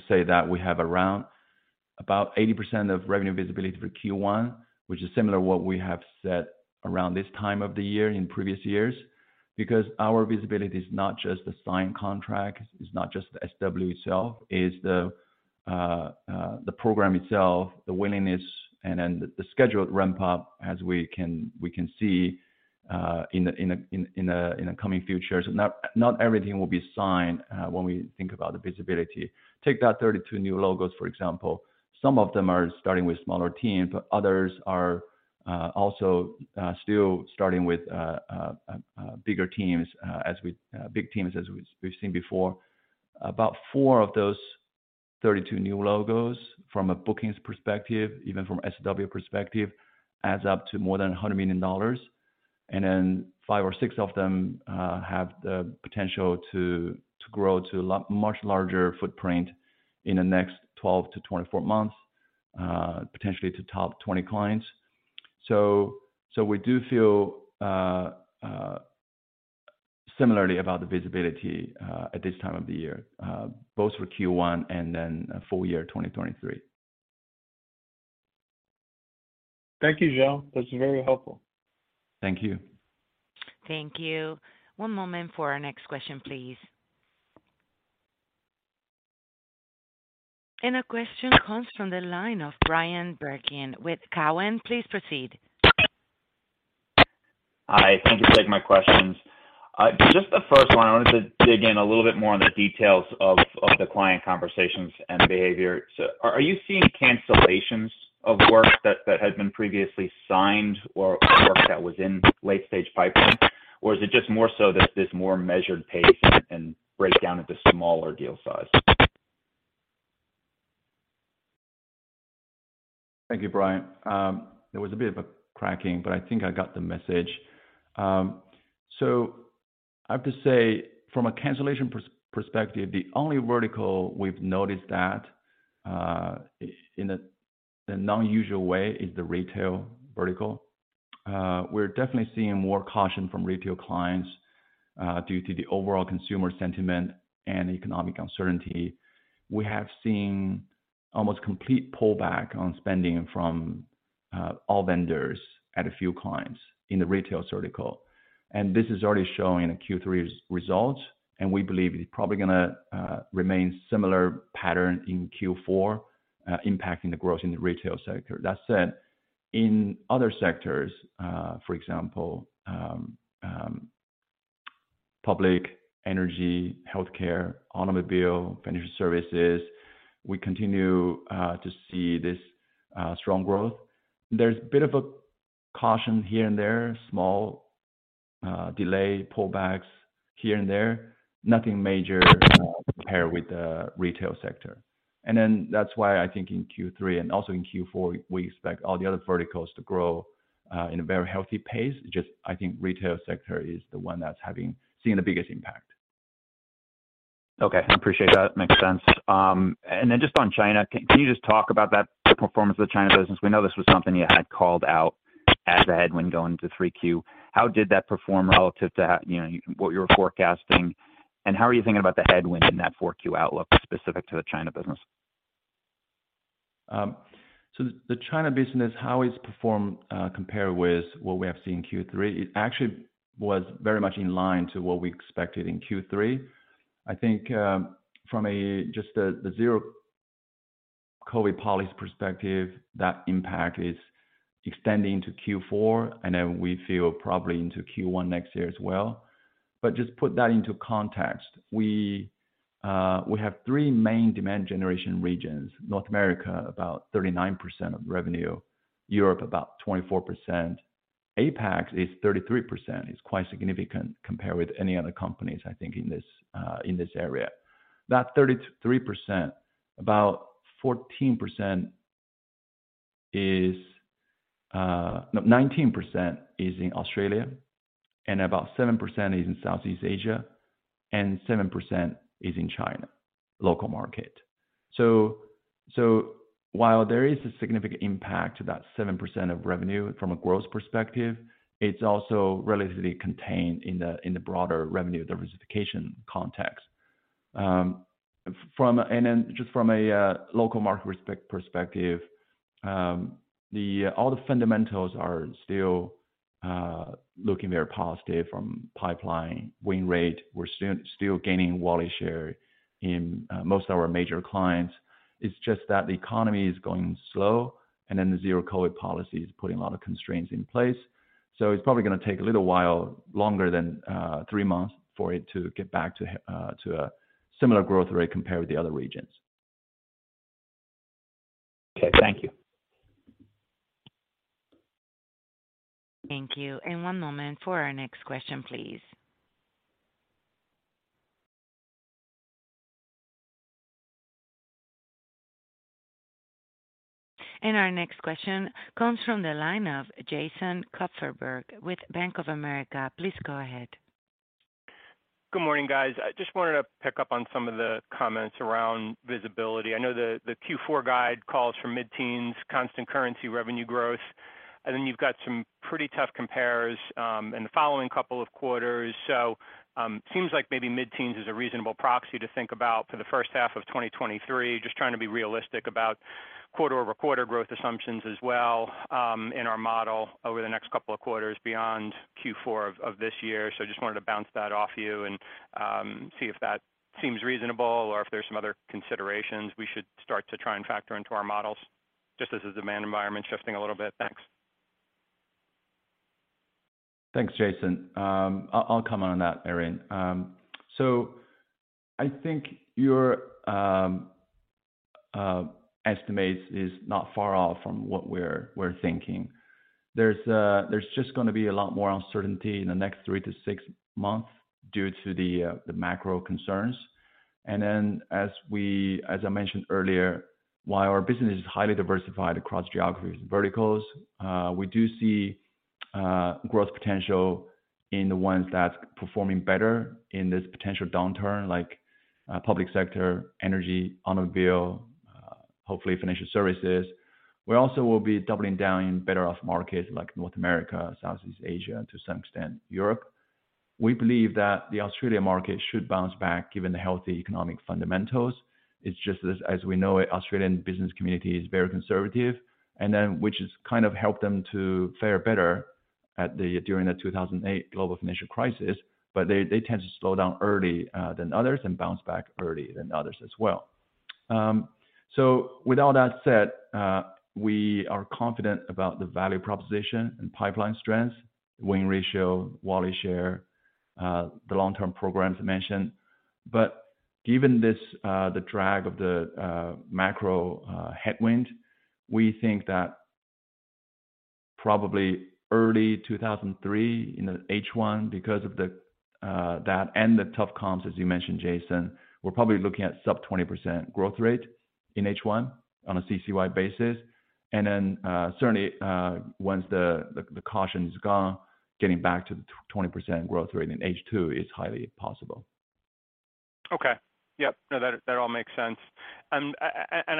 say that we have around about 80% of revenue visibility for Q1, which is similar to what we have said around this time of the year in previous years, because our visibility is not just the signed contract, it's not just the SW itself, it's the program itself, the willingness and then the scheduled ramp-up as we can see in the coming future. Not everything will be signed when we think about the visibility. Take that 32 new logos, for example. Some of them are starting with smaller teams, but others are also still starting with bigger teams as we've seen before. About four of those 32 new logos from a bookings perspective, even from SW perspective, adds up to more than $100 million. Then five or six of them have the potential to grow to a much larger footprint in the next 12-24 months, potentially to top 20 clients. We do feel similarly about the visibility at this time of the year, both for Q1 and then full year 2023. Thank you, Xiao. That's very helpful. Thank you. Thank you. One moment for our next question, please. A question comes from the line of Bryan Bergin with Cowen. Please proceed. Hi. Thank you for taking my questions. Just the first one, I wanted to dig in a little bit more on the details of the client conversations and behavior. Are you seeing cancellations of work that had been previously signed or work that was in late-stage pipeline? Or is it just more so that there's more measured pace and breakdown into smaller deal size? Thank you, Bryan. There was a bit of a cracking, but I think I got the message. I have to say from a cancellation perspective, the only vertical we've noticed that in a unusual way is the retail vertical. We're definitely seeing more caution from retail clients due to the overall consumer sentiment and economic uncertainty. We have seen almost complete pullback on spending from all vendors at a few clients in the retail vertical, and this is already showing in the Q3 results, and we believe it's probably gonna remain similar pattern in Q4, impacting the growth in the retail sector. That said, in other sectors, for example, public, energy, healthcare, automobile, financial services, we continue to see this strong growth. There's a bit of a caution here and there, small, delay pullbacks here and there, nothing major compared with the retail sector. Then that's why I think in Q3 and also in Q4, we expect all the other verticals to grow in a very healthy pace. Just I think retail sector is the one that's seeing the biggest impact. Okay. I appreciate that. Makes sense. Just on China, can you just talk about that, the performance of the China business? We know this was something you had called out as a headwind going into 3Q. How did that perform relative to you know, what you were forecasting, and how are you thinking about the headwind in that 4Q outlook specific to the China business? The China business, how it's performed, compared with what we have seen in Q3, it actually was very much in line to what we expected in Q3. I think, from just the zero COVID policy perspective, that impact is extending to Q4, and then we feel probably into Q1 next year as well. But just put that into context, we have three main demand generation regions, North America, about 39% of revenue, Europe about 24%. APAC is 33%. It's quite significant compared with any other companies, I think, in this area. That 33%, about 14% is—no, 19% is in Australia, and about 7% is in Southeast Asia, and 7% is in China, local market. While there is a significant impact to that 7% of revenue from a growth perspective, it's also relatively contained in the broader revenue diversification context. From a local market perspective, all the fundamentals are still looking very positive from pipeline win rate. We're still gaining wallet share in most of our major clients. It's just that the economy is going slow, and the zero-COVID policy is putting a lot of constraints in place. It's probably gonna take a little while, longer than three months for it to get back to a similar growth rate compared with the other regions. Okay, thank you. Thank you. One moment for our next question, please. Our next question comes from the line of Jason Kupferberg with Bank of America. Please go ahead. Good morning, guys. I just wanted to pick up on some of the comments around visibility. I know the Q4 guide calls for mid-teens constant currency revenue growth, and then you've got some pretty tough compares in the following couple of quarters. Seems like maybe mid-teens is a reasonable proxy to think about for the first half of 2023. Just trying to be realistic about quarter-over-quarter growth assumptions as well, in our model over the next couple of quarters beyond Q4 of this year. Just wanted to bounce that off you and see if that seems reasonable or if there's some other considerations we should start to try and factor into our models just as the demand environment shifting a little bit. Thanks. Thanks, Jason. I'll comment on that, Erin. I think your estimates is not far off from what we're thinking. There's just gonna be a lot more uncertainty in the next three to six months due to the macro concerns. As I mentioned earlier, while our business is highly diversified across geographies and verticals, we do see growth potential in the ones that's performing better in this potential downturn like public sector, energy, automobile, hopefully financial services. We also will be doubling down in better off markets like North America, Southeast Asia, to some extent Europe. We believe that the Australia market should bounce back given the healthy economic fundamentals. It's just as we know it, the Australian business community is very conservative, and then which has kind of helped them to fare better during the 2008 global financial crisis, but they tend to slow down early than others and bounce back early than others as well. With all that said, we are confident about the value proposition and pipeline strength, win ratio, wallet share, the long-term programs mentioned. Given this, the drag of the macro headwind, we think that probably early 2023 in the H1 because of that and the tough comps, as you mentioned, Jason, we're probably looking at sub 20% growth rate in H1 on a CCY basis. Certainly, once the caution is gone, getting back to the 20% growth rate in H2 is highly possible. Okay. Yep. No, that all makes sense. I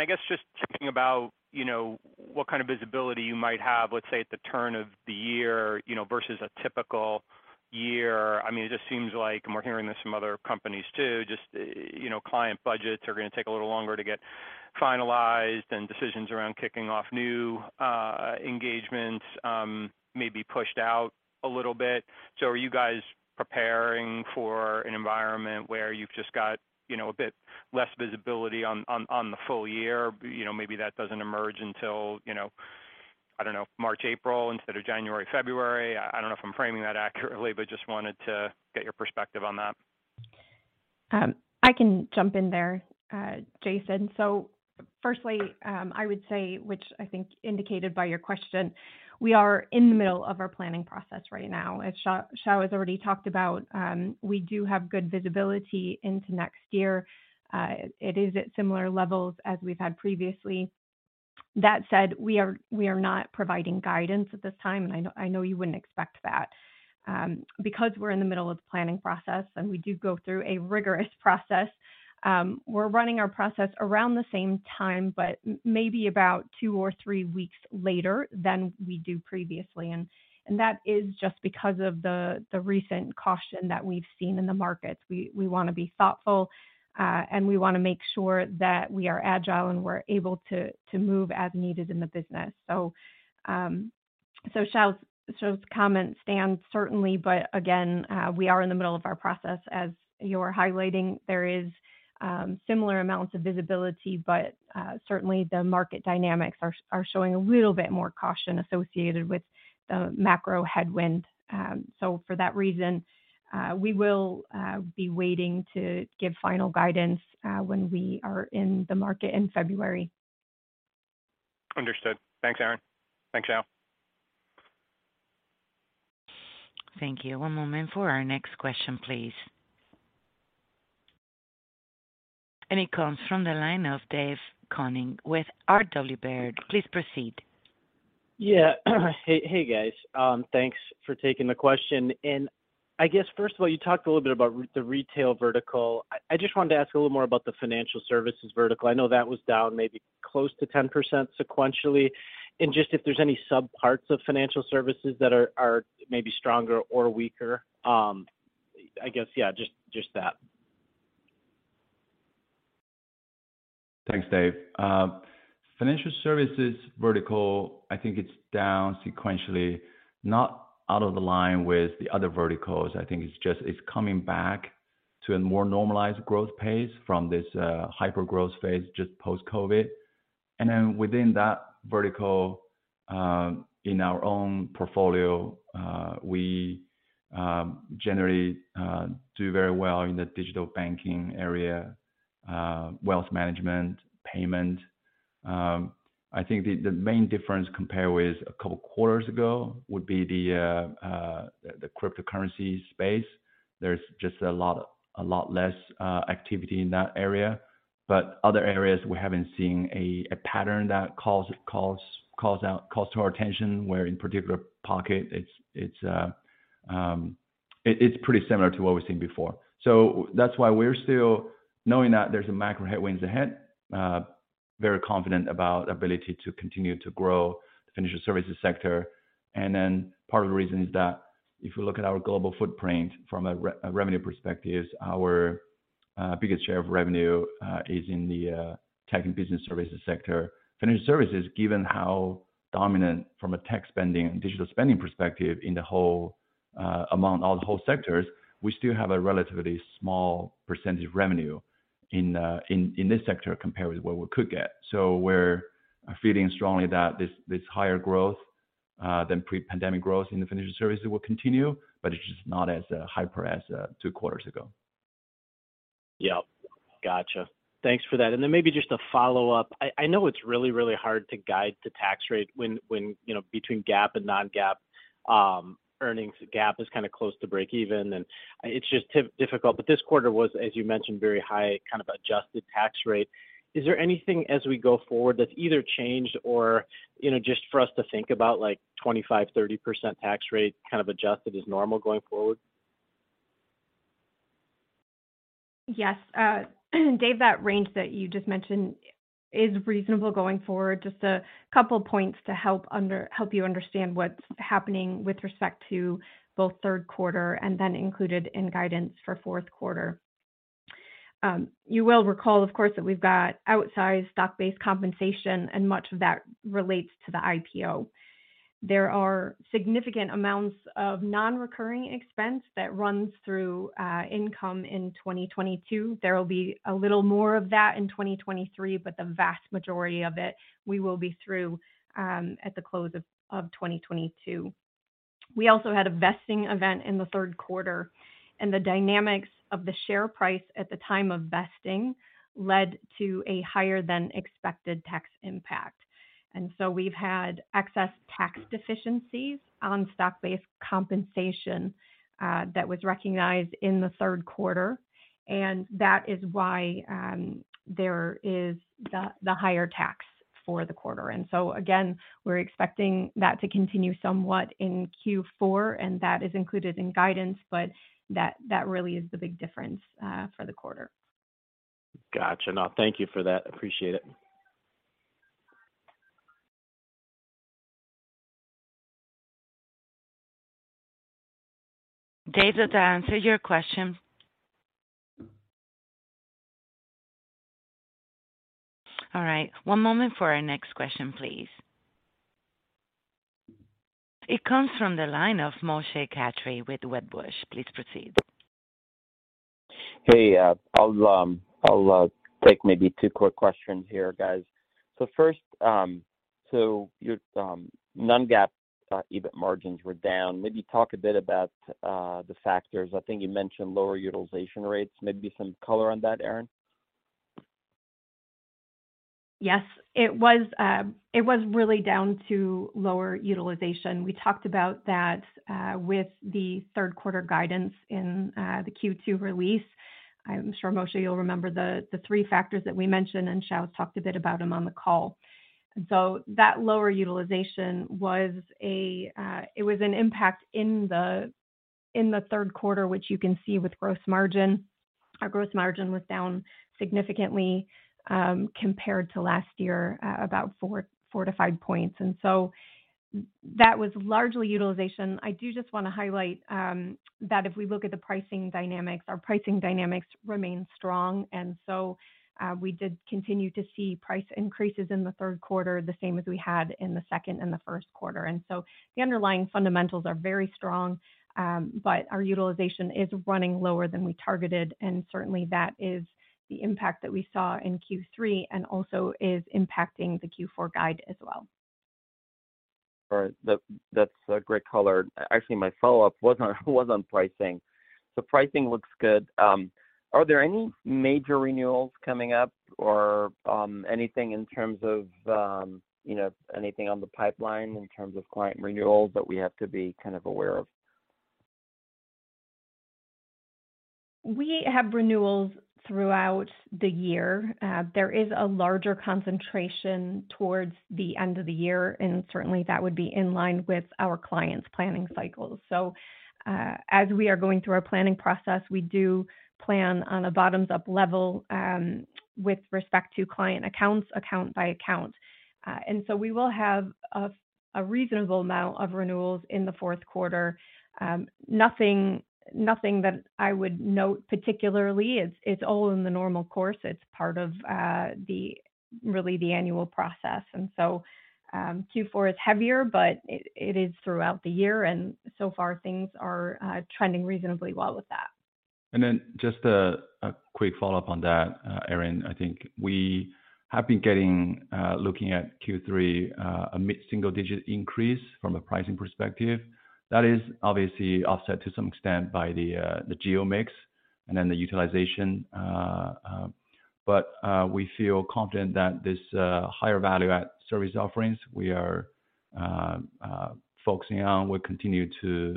guess just checking about, you know, what kind of visibility you might have, let's say at the turn of the year, you know, versus a typical year. I mean, it just seems like, and we're hearing this from other companies too, just, you know, client budgets are gonna take a little longer to get finalized and decisions around kicking off new engagements may be pushed out a little bit. Are you guys preparing for an environment where you've just got, you know, a bit less visibility on the full year? You know, maybe that doesn't emerge until, you know, I don't know, March, April, instead of January, February. I don't know if I'm framing that accurately, but just wanted to get your perspective on that. I can jump in there, Jason. Firstly, I would say, which I think indicated by your question, we are in the middle of our planning process right now. As Xiao has already talked about, we do have good visibility into next year. It is at similar levels as we've had previously. That said, we are not providing guidance at this time, and I know you wouldn't expect that. Because we're in the middle of the planning process and we do go through a rigorous process, we're running our process around the same time, but maybe about two or three weeks later than we do previously. That is just because of the recent caution that we've seen in the markets. We wanna be thoughtful, and we wanna make sure that we are agile and we're able to move as needed in the business. So Xiao's comment stands certainly. We are in the middle of our process. As you're highlighting, there is similar amounts of visibility, but certainly the market dynamics are showing a little bit more caution associated with the macro headwind. For that reason, we will be waiting to give final guidance when we are in the market in February. Understood. Thanks, Erin. Thanks, Xiao. Thank you. One moment for our next question, please. It comes from the line of Dave Koning with R.W. Baird. Please proceed. Hey, hey, guys. Thanks for taking the question. I guess, first of all, you talked a little bit about the retail vertical. I just wanted to ask a little more about the financial services vertical. I know that was down maybe close to 10% sequentially, and just if there's any sub-parts of financial services that are maybe stronger or weaker. I guess, just that. Thanks, Dave. Financial services vertical, I think it's down sequentially, not out of the line with the other verticals. I think it's coming back to a more normalized growth pace from this hyper-growth phase just post-COVID. Within that vertical, in our own portfolio, we generally do very well in the digital banking area, wealth management, payment. I think the main difference compared with a couple of quarters ago would be the cryptocurrency space. There's just a lot less activity in that area. Other areas, we haven't seen a pattern that calls out to our attention where, in a particular pocket, it's pretty similar to what we've seen before. That's why we're still knowing that there's a macro headwinds ahead, very confident about ability to continue to grow the financial services sector. Part of the reason is that if you look at our global footprint from a revenue perspective, our biggest share of revenue is in the tech and business services sector. Financial services, given how dominant from a tech spending and digital spending perspective among all the sectors, we still have a relatively small percentage of revenue in this sector compared with what we could get. We're feeling strongly that this higher growth than pre-pandemic growth in the financial services will continue, but it's just not as hyper as two quarters ago. Yep. Gotcha. Thanks for that. Then maybe just a follow-up. I know it's really hard to guide the tax rate when, you know, between GAAP and non-GAAP earnings. GAAP is kinda close to breakeven, and it's just difficult. This quarter was, as you mentioned, very high kind of adjusted tax rate. Is there anything as we go forward that's either changed or, you know, just for us to think about like 25%-30% tax rate kind of adjusted as normal going forward? Yes. Dave, that range that you just mentioned is reasonable going forward. Just a couple points to help you understand what's happening with respect to both third quarter and then included in guidance for fourth quarter. You will recall, of course, that we've got outsized stock-based compensation, and much of that relates to the IPO. There are significant amounts of non-recurring expense that runs through income in 2022. There will be a little more of that in 2023, but the vast majority of it we will be through at the close of 2022. We also had a vesting event in the third quarter, and the dynamics of the share price at the time of vesting led to a higher than expected tax impact. We've had excess tax deficiencies on stock-based compensation that was recognized in the third quarter, and that is why there is the higher tax for the quarter. We're expecting that to continue somewhat in Q4, and that is included in guidance, but that really is the big difference for the quarter. Gotcha. No, thank you for that. Appreciate it. Dave, does that answer your question? All right. One moment for our next question, please. It comes from the line of Moshe Katri with Wedbush. Please proceed. Hey, I'll take maybe two quick questions here, guys. First, your non-GAAP EBIT margins were down. Maybe talk a bit about the factors. I think you mentioned lower utilization rates. Maybe some color on that, Erin? Yes. It was really down to lower utilization. We talked about that with the third quarter guidance in the Q2 release. I'm sure most of you'll remember the three factors that we mentioned, and Xiao talked a bit about them on the call. That lower utilization was an impact in the third quarter, which you can see with gross margin. Our gross margin was down significantly compared to last year about 4 points-5 points. That was largely utilization. I do just wanna highlight that if we look at the pricing dynamics, our pricing dynamics remain strong. We did continue to see price increases in the third quarter, the same as we had in the second and the first quarter. The underlying fundamentals are very strong, but our utilization is running lower than we targeted, and certainly that is the impact that we saw in Q3 and also is impacting the Q4 guide as well. All right. That's a great color. Actually, my follow-up was on pricing. Pricing looks good. Are there any major renewals coming up or, anything in terms of, you know, anything on the pipeline in terms of client renewals that we have to be kind of aware of? We have renewals throughout the year. There is a larger concentration towards the end of the year, and certainly that would be in line with our clients' planning cycles. As we are going through our planning process, we do plan on a bottoms-up level with respect to client accounts, account by account. We will have a reasonable amount of renewals in the fourth quarter. Nothing that I would note particularly. It's all in the normal course. It's part of really the annual process. Q4 is heavier, but it is throughout the year, and so far things are trending reasonably well with that. Just a quick follow-up on that, Erin. I think we have been getting, looking at Q3, a mid-single digit increase from a pricing perspective. That is obviously offset to some extent by the geo mix and then the utilization, but we feel confident that this higher-value-added service offerings we are focusing on will continue to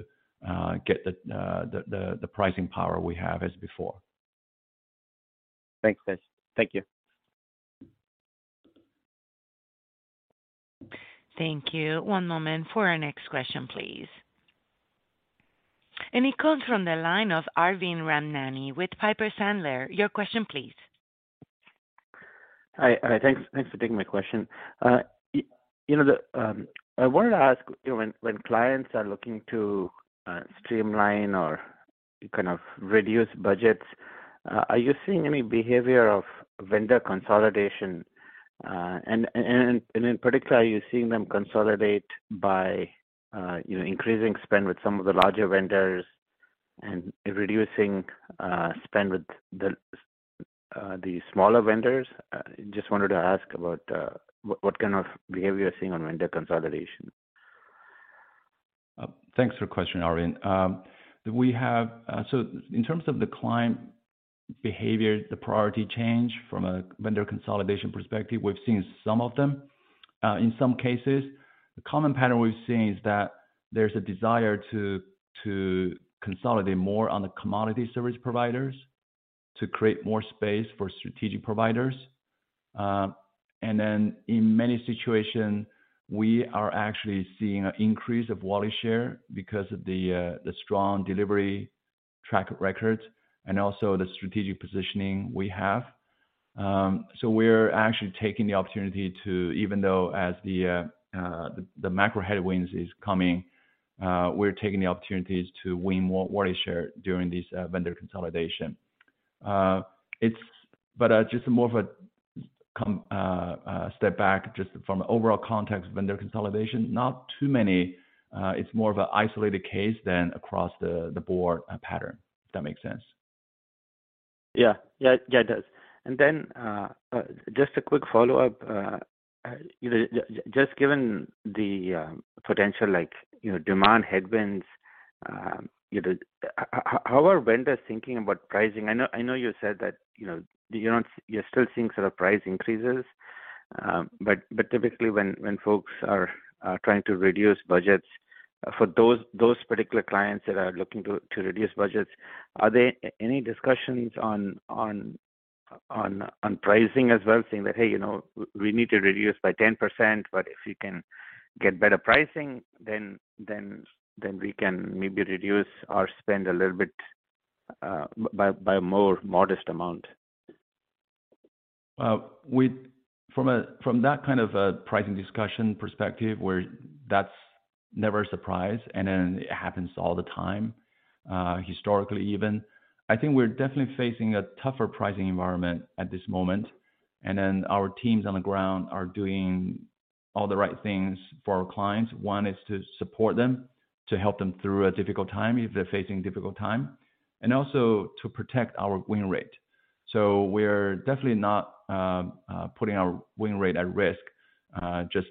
get the pricing power we have as before. Thanks, guys. Thank you. Thank you. One moment for our next question, please. It comes from the line of Arvind Ramnani with Piper Sandler. Your question please. Hi. Thanks for taking my question. You know, I wanted to ask, you know, when clients are looking to streamline or kind of reduce budgets, are you seeing any behavior of vendor consolidation? In particular, are you seeing them consolidate by, you know, increasing spend with some of the larger vendors and reducing spend with the smaller vendors? Just wanted to ask about what kind of behavior you're seeing on vendor consolidation. Thanks for question, Arvind. In terms of the client behavior, the priority change from a vendor consolidation perspective, we've seen some of them in some cases. The common pattern we've seen is that there's a desire to consolidate more on the commodity service providers to create more space for strategic providers. In many situation, we are actually seeing an increase of wallet share because of the strong delivery track record and also the strategic positioning we have. We're actually taking the opportunity to even though as the macro headwinds is coming, we're taking the opportunities to win more wallet share during this vendor consolidation. Just more of a step back, just from an overall context, vendor consolidation, not too many. It's more of an isolated case than across the board pattern, if that makes sense. Yeah. Yeah, yeah, it does. Then, just a quick follow-up. Just given the potential like, you know, demand headwinds, you know, how are vendors thinking about pricing? I know you said that, you know, you're not. You're still seeing sort of price increases. But typically when folks are trying to reduce budgets, for those particular clients that are looking to reduce budgets, are there any discussions on pricing as well, saying that, "Hey, you know, we need to reduce by 10%, but if we can get better pricing, then we can maybe reduce our spend a little bit by a more modest amount"? From that kind of a pricing discussion perspective where that's never a surprise, and then it happens all the time, historically even, I think we're definitely facing a tougher pricing environment at this moment. Our teams on the ground are doing all the right things for our clients. One is to support them, to help them through a difficult time if they're facing difficult time, and also to protect our win rate. We're definitely not putting our win rate at risk just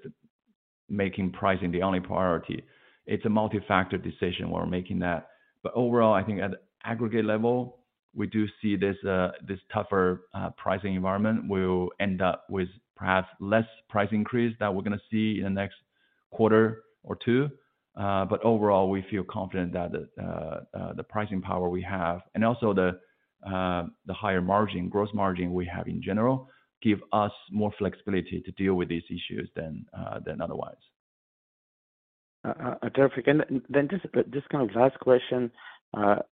making pricing the only priority. It's a multi-factor decision we're making that. Overall, I think at aggregate level, we do see this tougher pricing environment will end up with perhaps less price increase that we're gonna see in the next quarter or two. Overall, we feel confident that the pricing power we have and also the higher gross margin we have in general give us more flexibility to deal with these issues than otherwise. Terrific. Just kind of last question.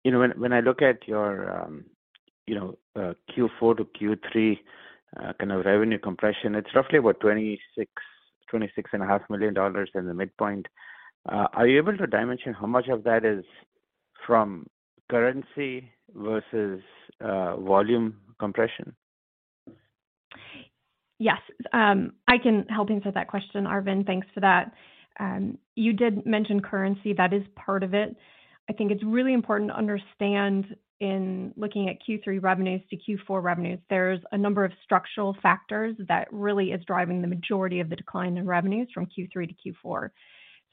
You know, when I look at your, you know, Q4 to Q3, kind of revenue compression, it's roughly about $26.5 million in the midpoint. Are you able to dimension how much of that is from currency versus volume compression? Yes. I can help answer that question, Arvind. Thanks for that. You did mention currency. That is part of it. I think it's really important to understand in looking at Q3 revenues to Q4 revenues, there's a number of structural factors that really is driving the majority of the decline in revenues from Q3 to Q4.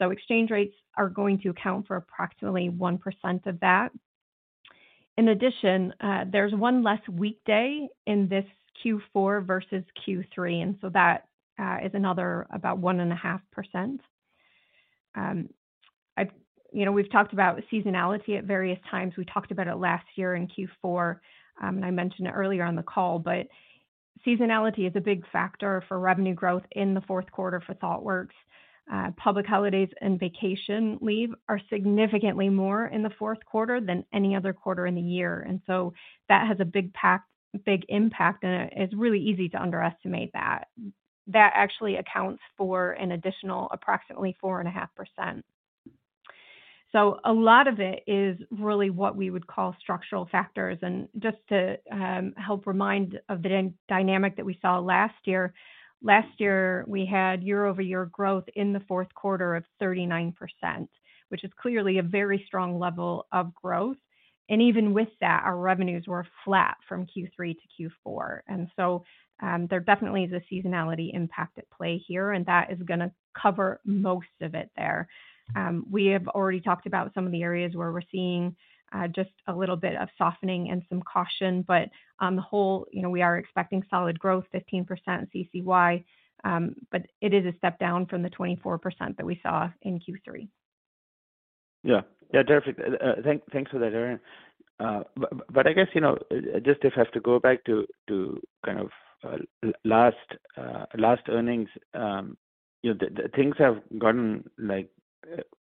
Exchange rates are going to account for approximately 1% of that. In addition, there's one less weekday in this Q4 versus Q3, and so that is another about 1.5%. You know, we've talked about seasonality at various times. We talked about it last year in Q4, and I mentioned it earlier on the call, but seasonality is a big factor for revenue growth in the fourth quarter for Thoughtworks. Public holidays and vacation leave are significantly more in the fourth quarter than any other quarter in the year. That has a big impact, and it's really easy to underestimate that. That actually accounts for an additional approximately 4.5%. A lot of it is really what we would call structural factors. Just to help remind of the dynamic that we saw last year. Last year, we had year-over-year growth in the fourth quarter of 39%, which is clearly a very strong level of growth. Even with that, our revenues were flat from Q3 to Q4. There definitely is a seasonality impact at play here, and that is gonna cover most of it there. We have already talked about some of the areas where we're seeing just a little bit of softening and some caution, but on the whole, you know, we are expecting solid growth, 15% CCY, but it is a step down from the 24% that we saw in Q3. Yeah. Yeah, terrific. Thanks for that, Erin. I guess, you know, just if I have to go back to kind of last earnings, you know, things have gotten like,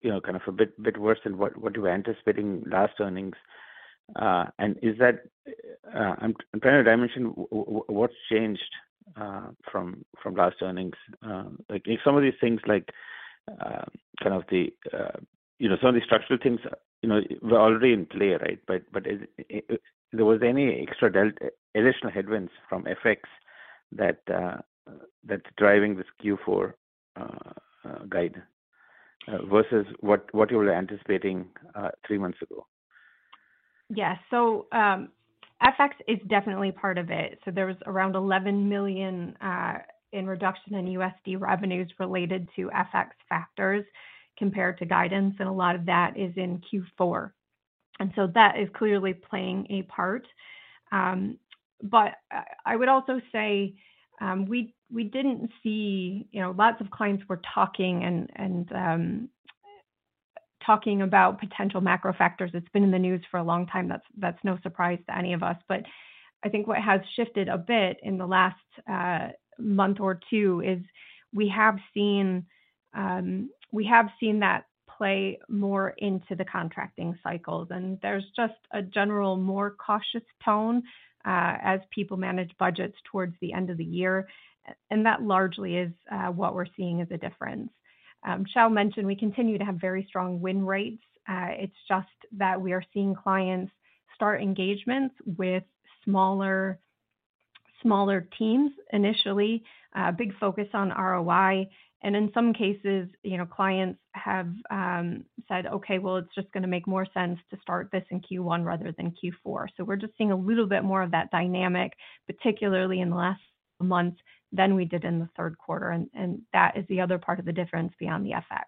you know, kind of a bit worse than what you were anticipating last earnings. Is that I'm trying to dimension what's changed from last earnings. Like if some of these things like kind of the, you know, some of the structural things, you know, were already in play, right? Is there any extra additional headwinds from FX that's driving this Q4 guide versus what you were anticipating three months ago? Yeah. FX is definitely part of it. There was around $11 million in reduction in USD revenues related to FX factors compared to guidance, and a lot of that is in Q4. That is clearly playing a part. I would also say we didn't see, you know, lots of clients were talking about potential macro factors. It's been in the news for a long time. That's no surprise to any of us. I think what has shifted a bit in the last month or two is we have seen that play more into the contracting cycles, and there's just a general more cautious tone as people manage budgets towards the end of the year. That largely is what we're seeing as a difference. Xiao mentioned we continue to have very strong win rates. It's just that we are seeing clients start engagements with smaller teams initially, big focus on ROI. In some cases, you know, clients have said, "Okay, well, it's just gonna make more sense to start this in Q1 rather than Q4." We're just seeing a little bit more of that dynamic, particularly in the last month than we did in the third quarter, and that is the other part of the difference beyond the FX.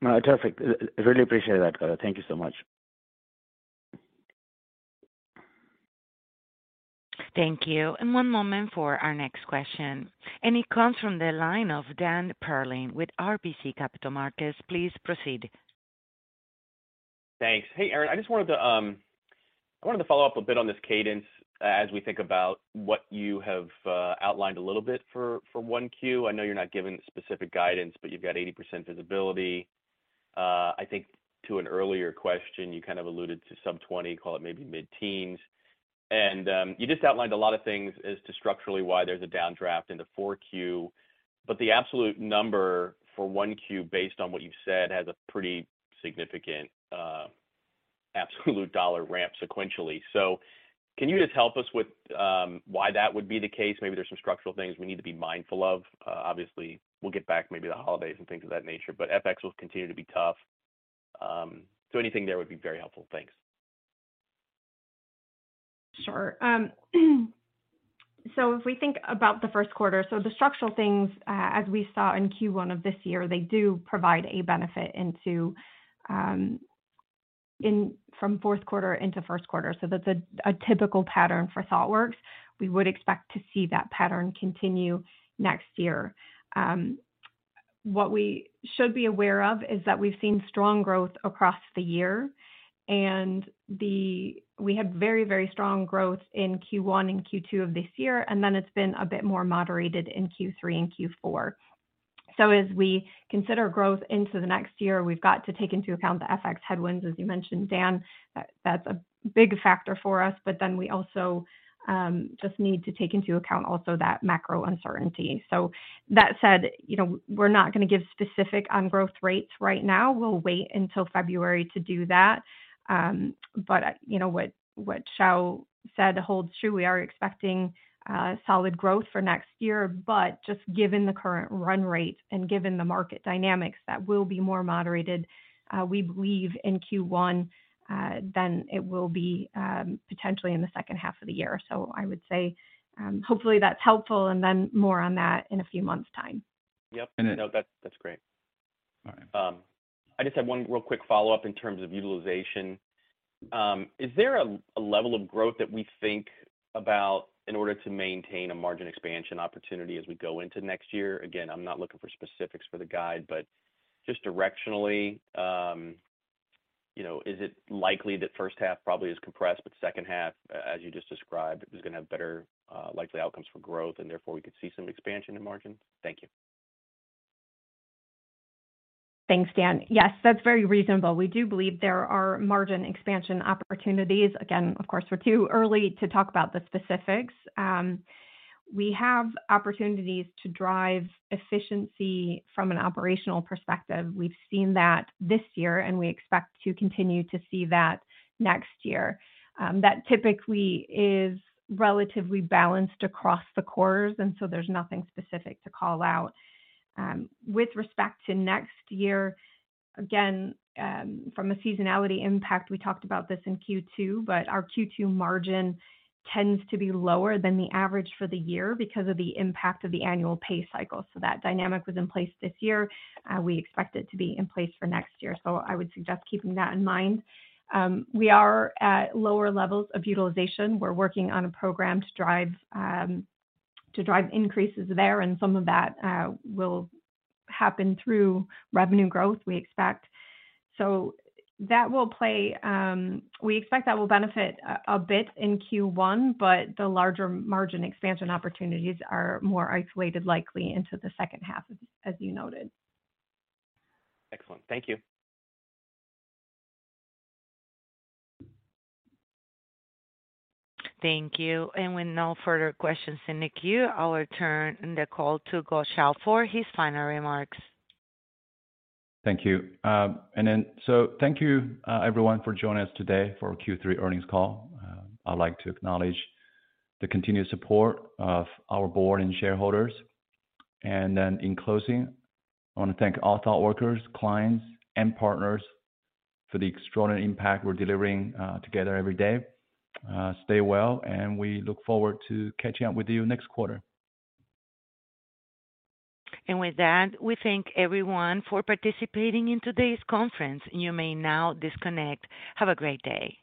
No, terrific. Really appreciate that. Thank you so much. Thank you. One moment for our next question. It comes from the line of Dan Perlin with RBC Capital Markets. Please proceed. Thanks. Hey, Erin. I just wanted to follow up a bit on this cadence as we think about what you have outlined a little bit for 1Q. I know you're not giving specific guidance, but you've got 80% visibility. I think to an earlier question, you kind of alluded to sub-20, call it maybe mid-teens. You just outlined a lot of things as to structurally why there's a downdraft in the 4Q. But the absolute number for 1Q, based on what you've said, has a pretty significant absolute dollar ramp sequentially. So can you just help us with why that would be the case? Maybe there's some structural things we need to be mindful of. Obviously we'll get back maybe the holidays and things of that nature, but FX will continue to be tough. Anything there would be very helpful. Thanks. Sure. If we think about the first quarter, the structural things, as we saw in Q1 of this year, they do provide a benefit from fourth quarter into first quarter. That's a typical pattern for Thoughtworks. We would expect to see that pattern continue next year. What we should be aware of is that we've seen strong growth across the year, and we had very, very strong growth in Q1 and Q2 of this year, and then it's been a bit more moderated in Q3 and Q4. As we consider growth into the next year, we've got to take into account the FX headwinds, as you mentioned, Dan. That's a big factor for us, but then we also just need to take into account also that macro uncertainty. That said, you know, we're not gonna give specific on growth rates right now. We'll wait until February to do that. You know, what Xiao said holds true. We are expecting solid growth for next year. Just given the current run rate and given the market dynamics, that will be more moderated, we believe in Q1, than it will be potentially in the second half of the year. I would say, hopefully that's helpful, and then more on that in a few months' time. Yep. And then- No, that's great. All right. I just have one real quick follow-up in terms of utilization. Is there a level of growth that we think about in order to maintain a margin expansion opportunity as we go into next year? Again, I'm not looking for specifics for the guide, but just directionally, you know, is it likely that first half probably is compressed, but second half, as you just described, is gonna have better likely outcomes for growth, and therefore we could see some expansion in margins? Thank you. Thanks, Dan. Yes, that's very reasonable. We do believe there are margin expansion opportunities. Again, of course, we're too early to talk about the specifics. We have opportunities to drive efficiency from an operational perspective. We've seen that this year, and we expect to continue to see that next year. That typically is relatively balanced across the cores, and so there's nothing specific to call out. With respect to next year, again, from a seasonality impact, we talked about this in Q2, but our Q2 margin tends to be lower than the average for the year because of the impact of the annual pay cycle. That dynamic was in place this year, we expect it to be in place for next year. I would suggest keeping that in mind. We are at lower levels of utilization. We're working on a program to drive increases there, and some of that will happen through revenue growth we expect. That will play. We expect that will benefit a bit in Q1, but the larger margin expansion opportunities are more likely isolated into the second half, as you noted. Excellent. Thank you. Thank you. With no further questions in the queue, I'll return the call to Guo Xiao for his final remarks. Thank you. Thank you, everyone for joining us today for our Q3 earnings call. I'd like to acknowledge the continued support of our board and shareholders. In closing, I wanna thank all Thoughtworkers, clients, and partners for the extraordinary impact we're delivering together every day. Stay well, and we look forward to catching up with you next quarter. With that, we thank everyone for participating in today's conference. You may now disconnect. Have a great day.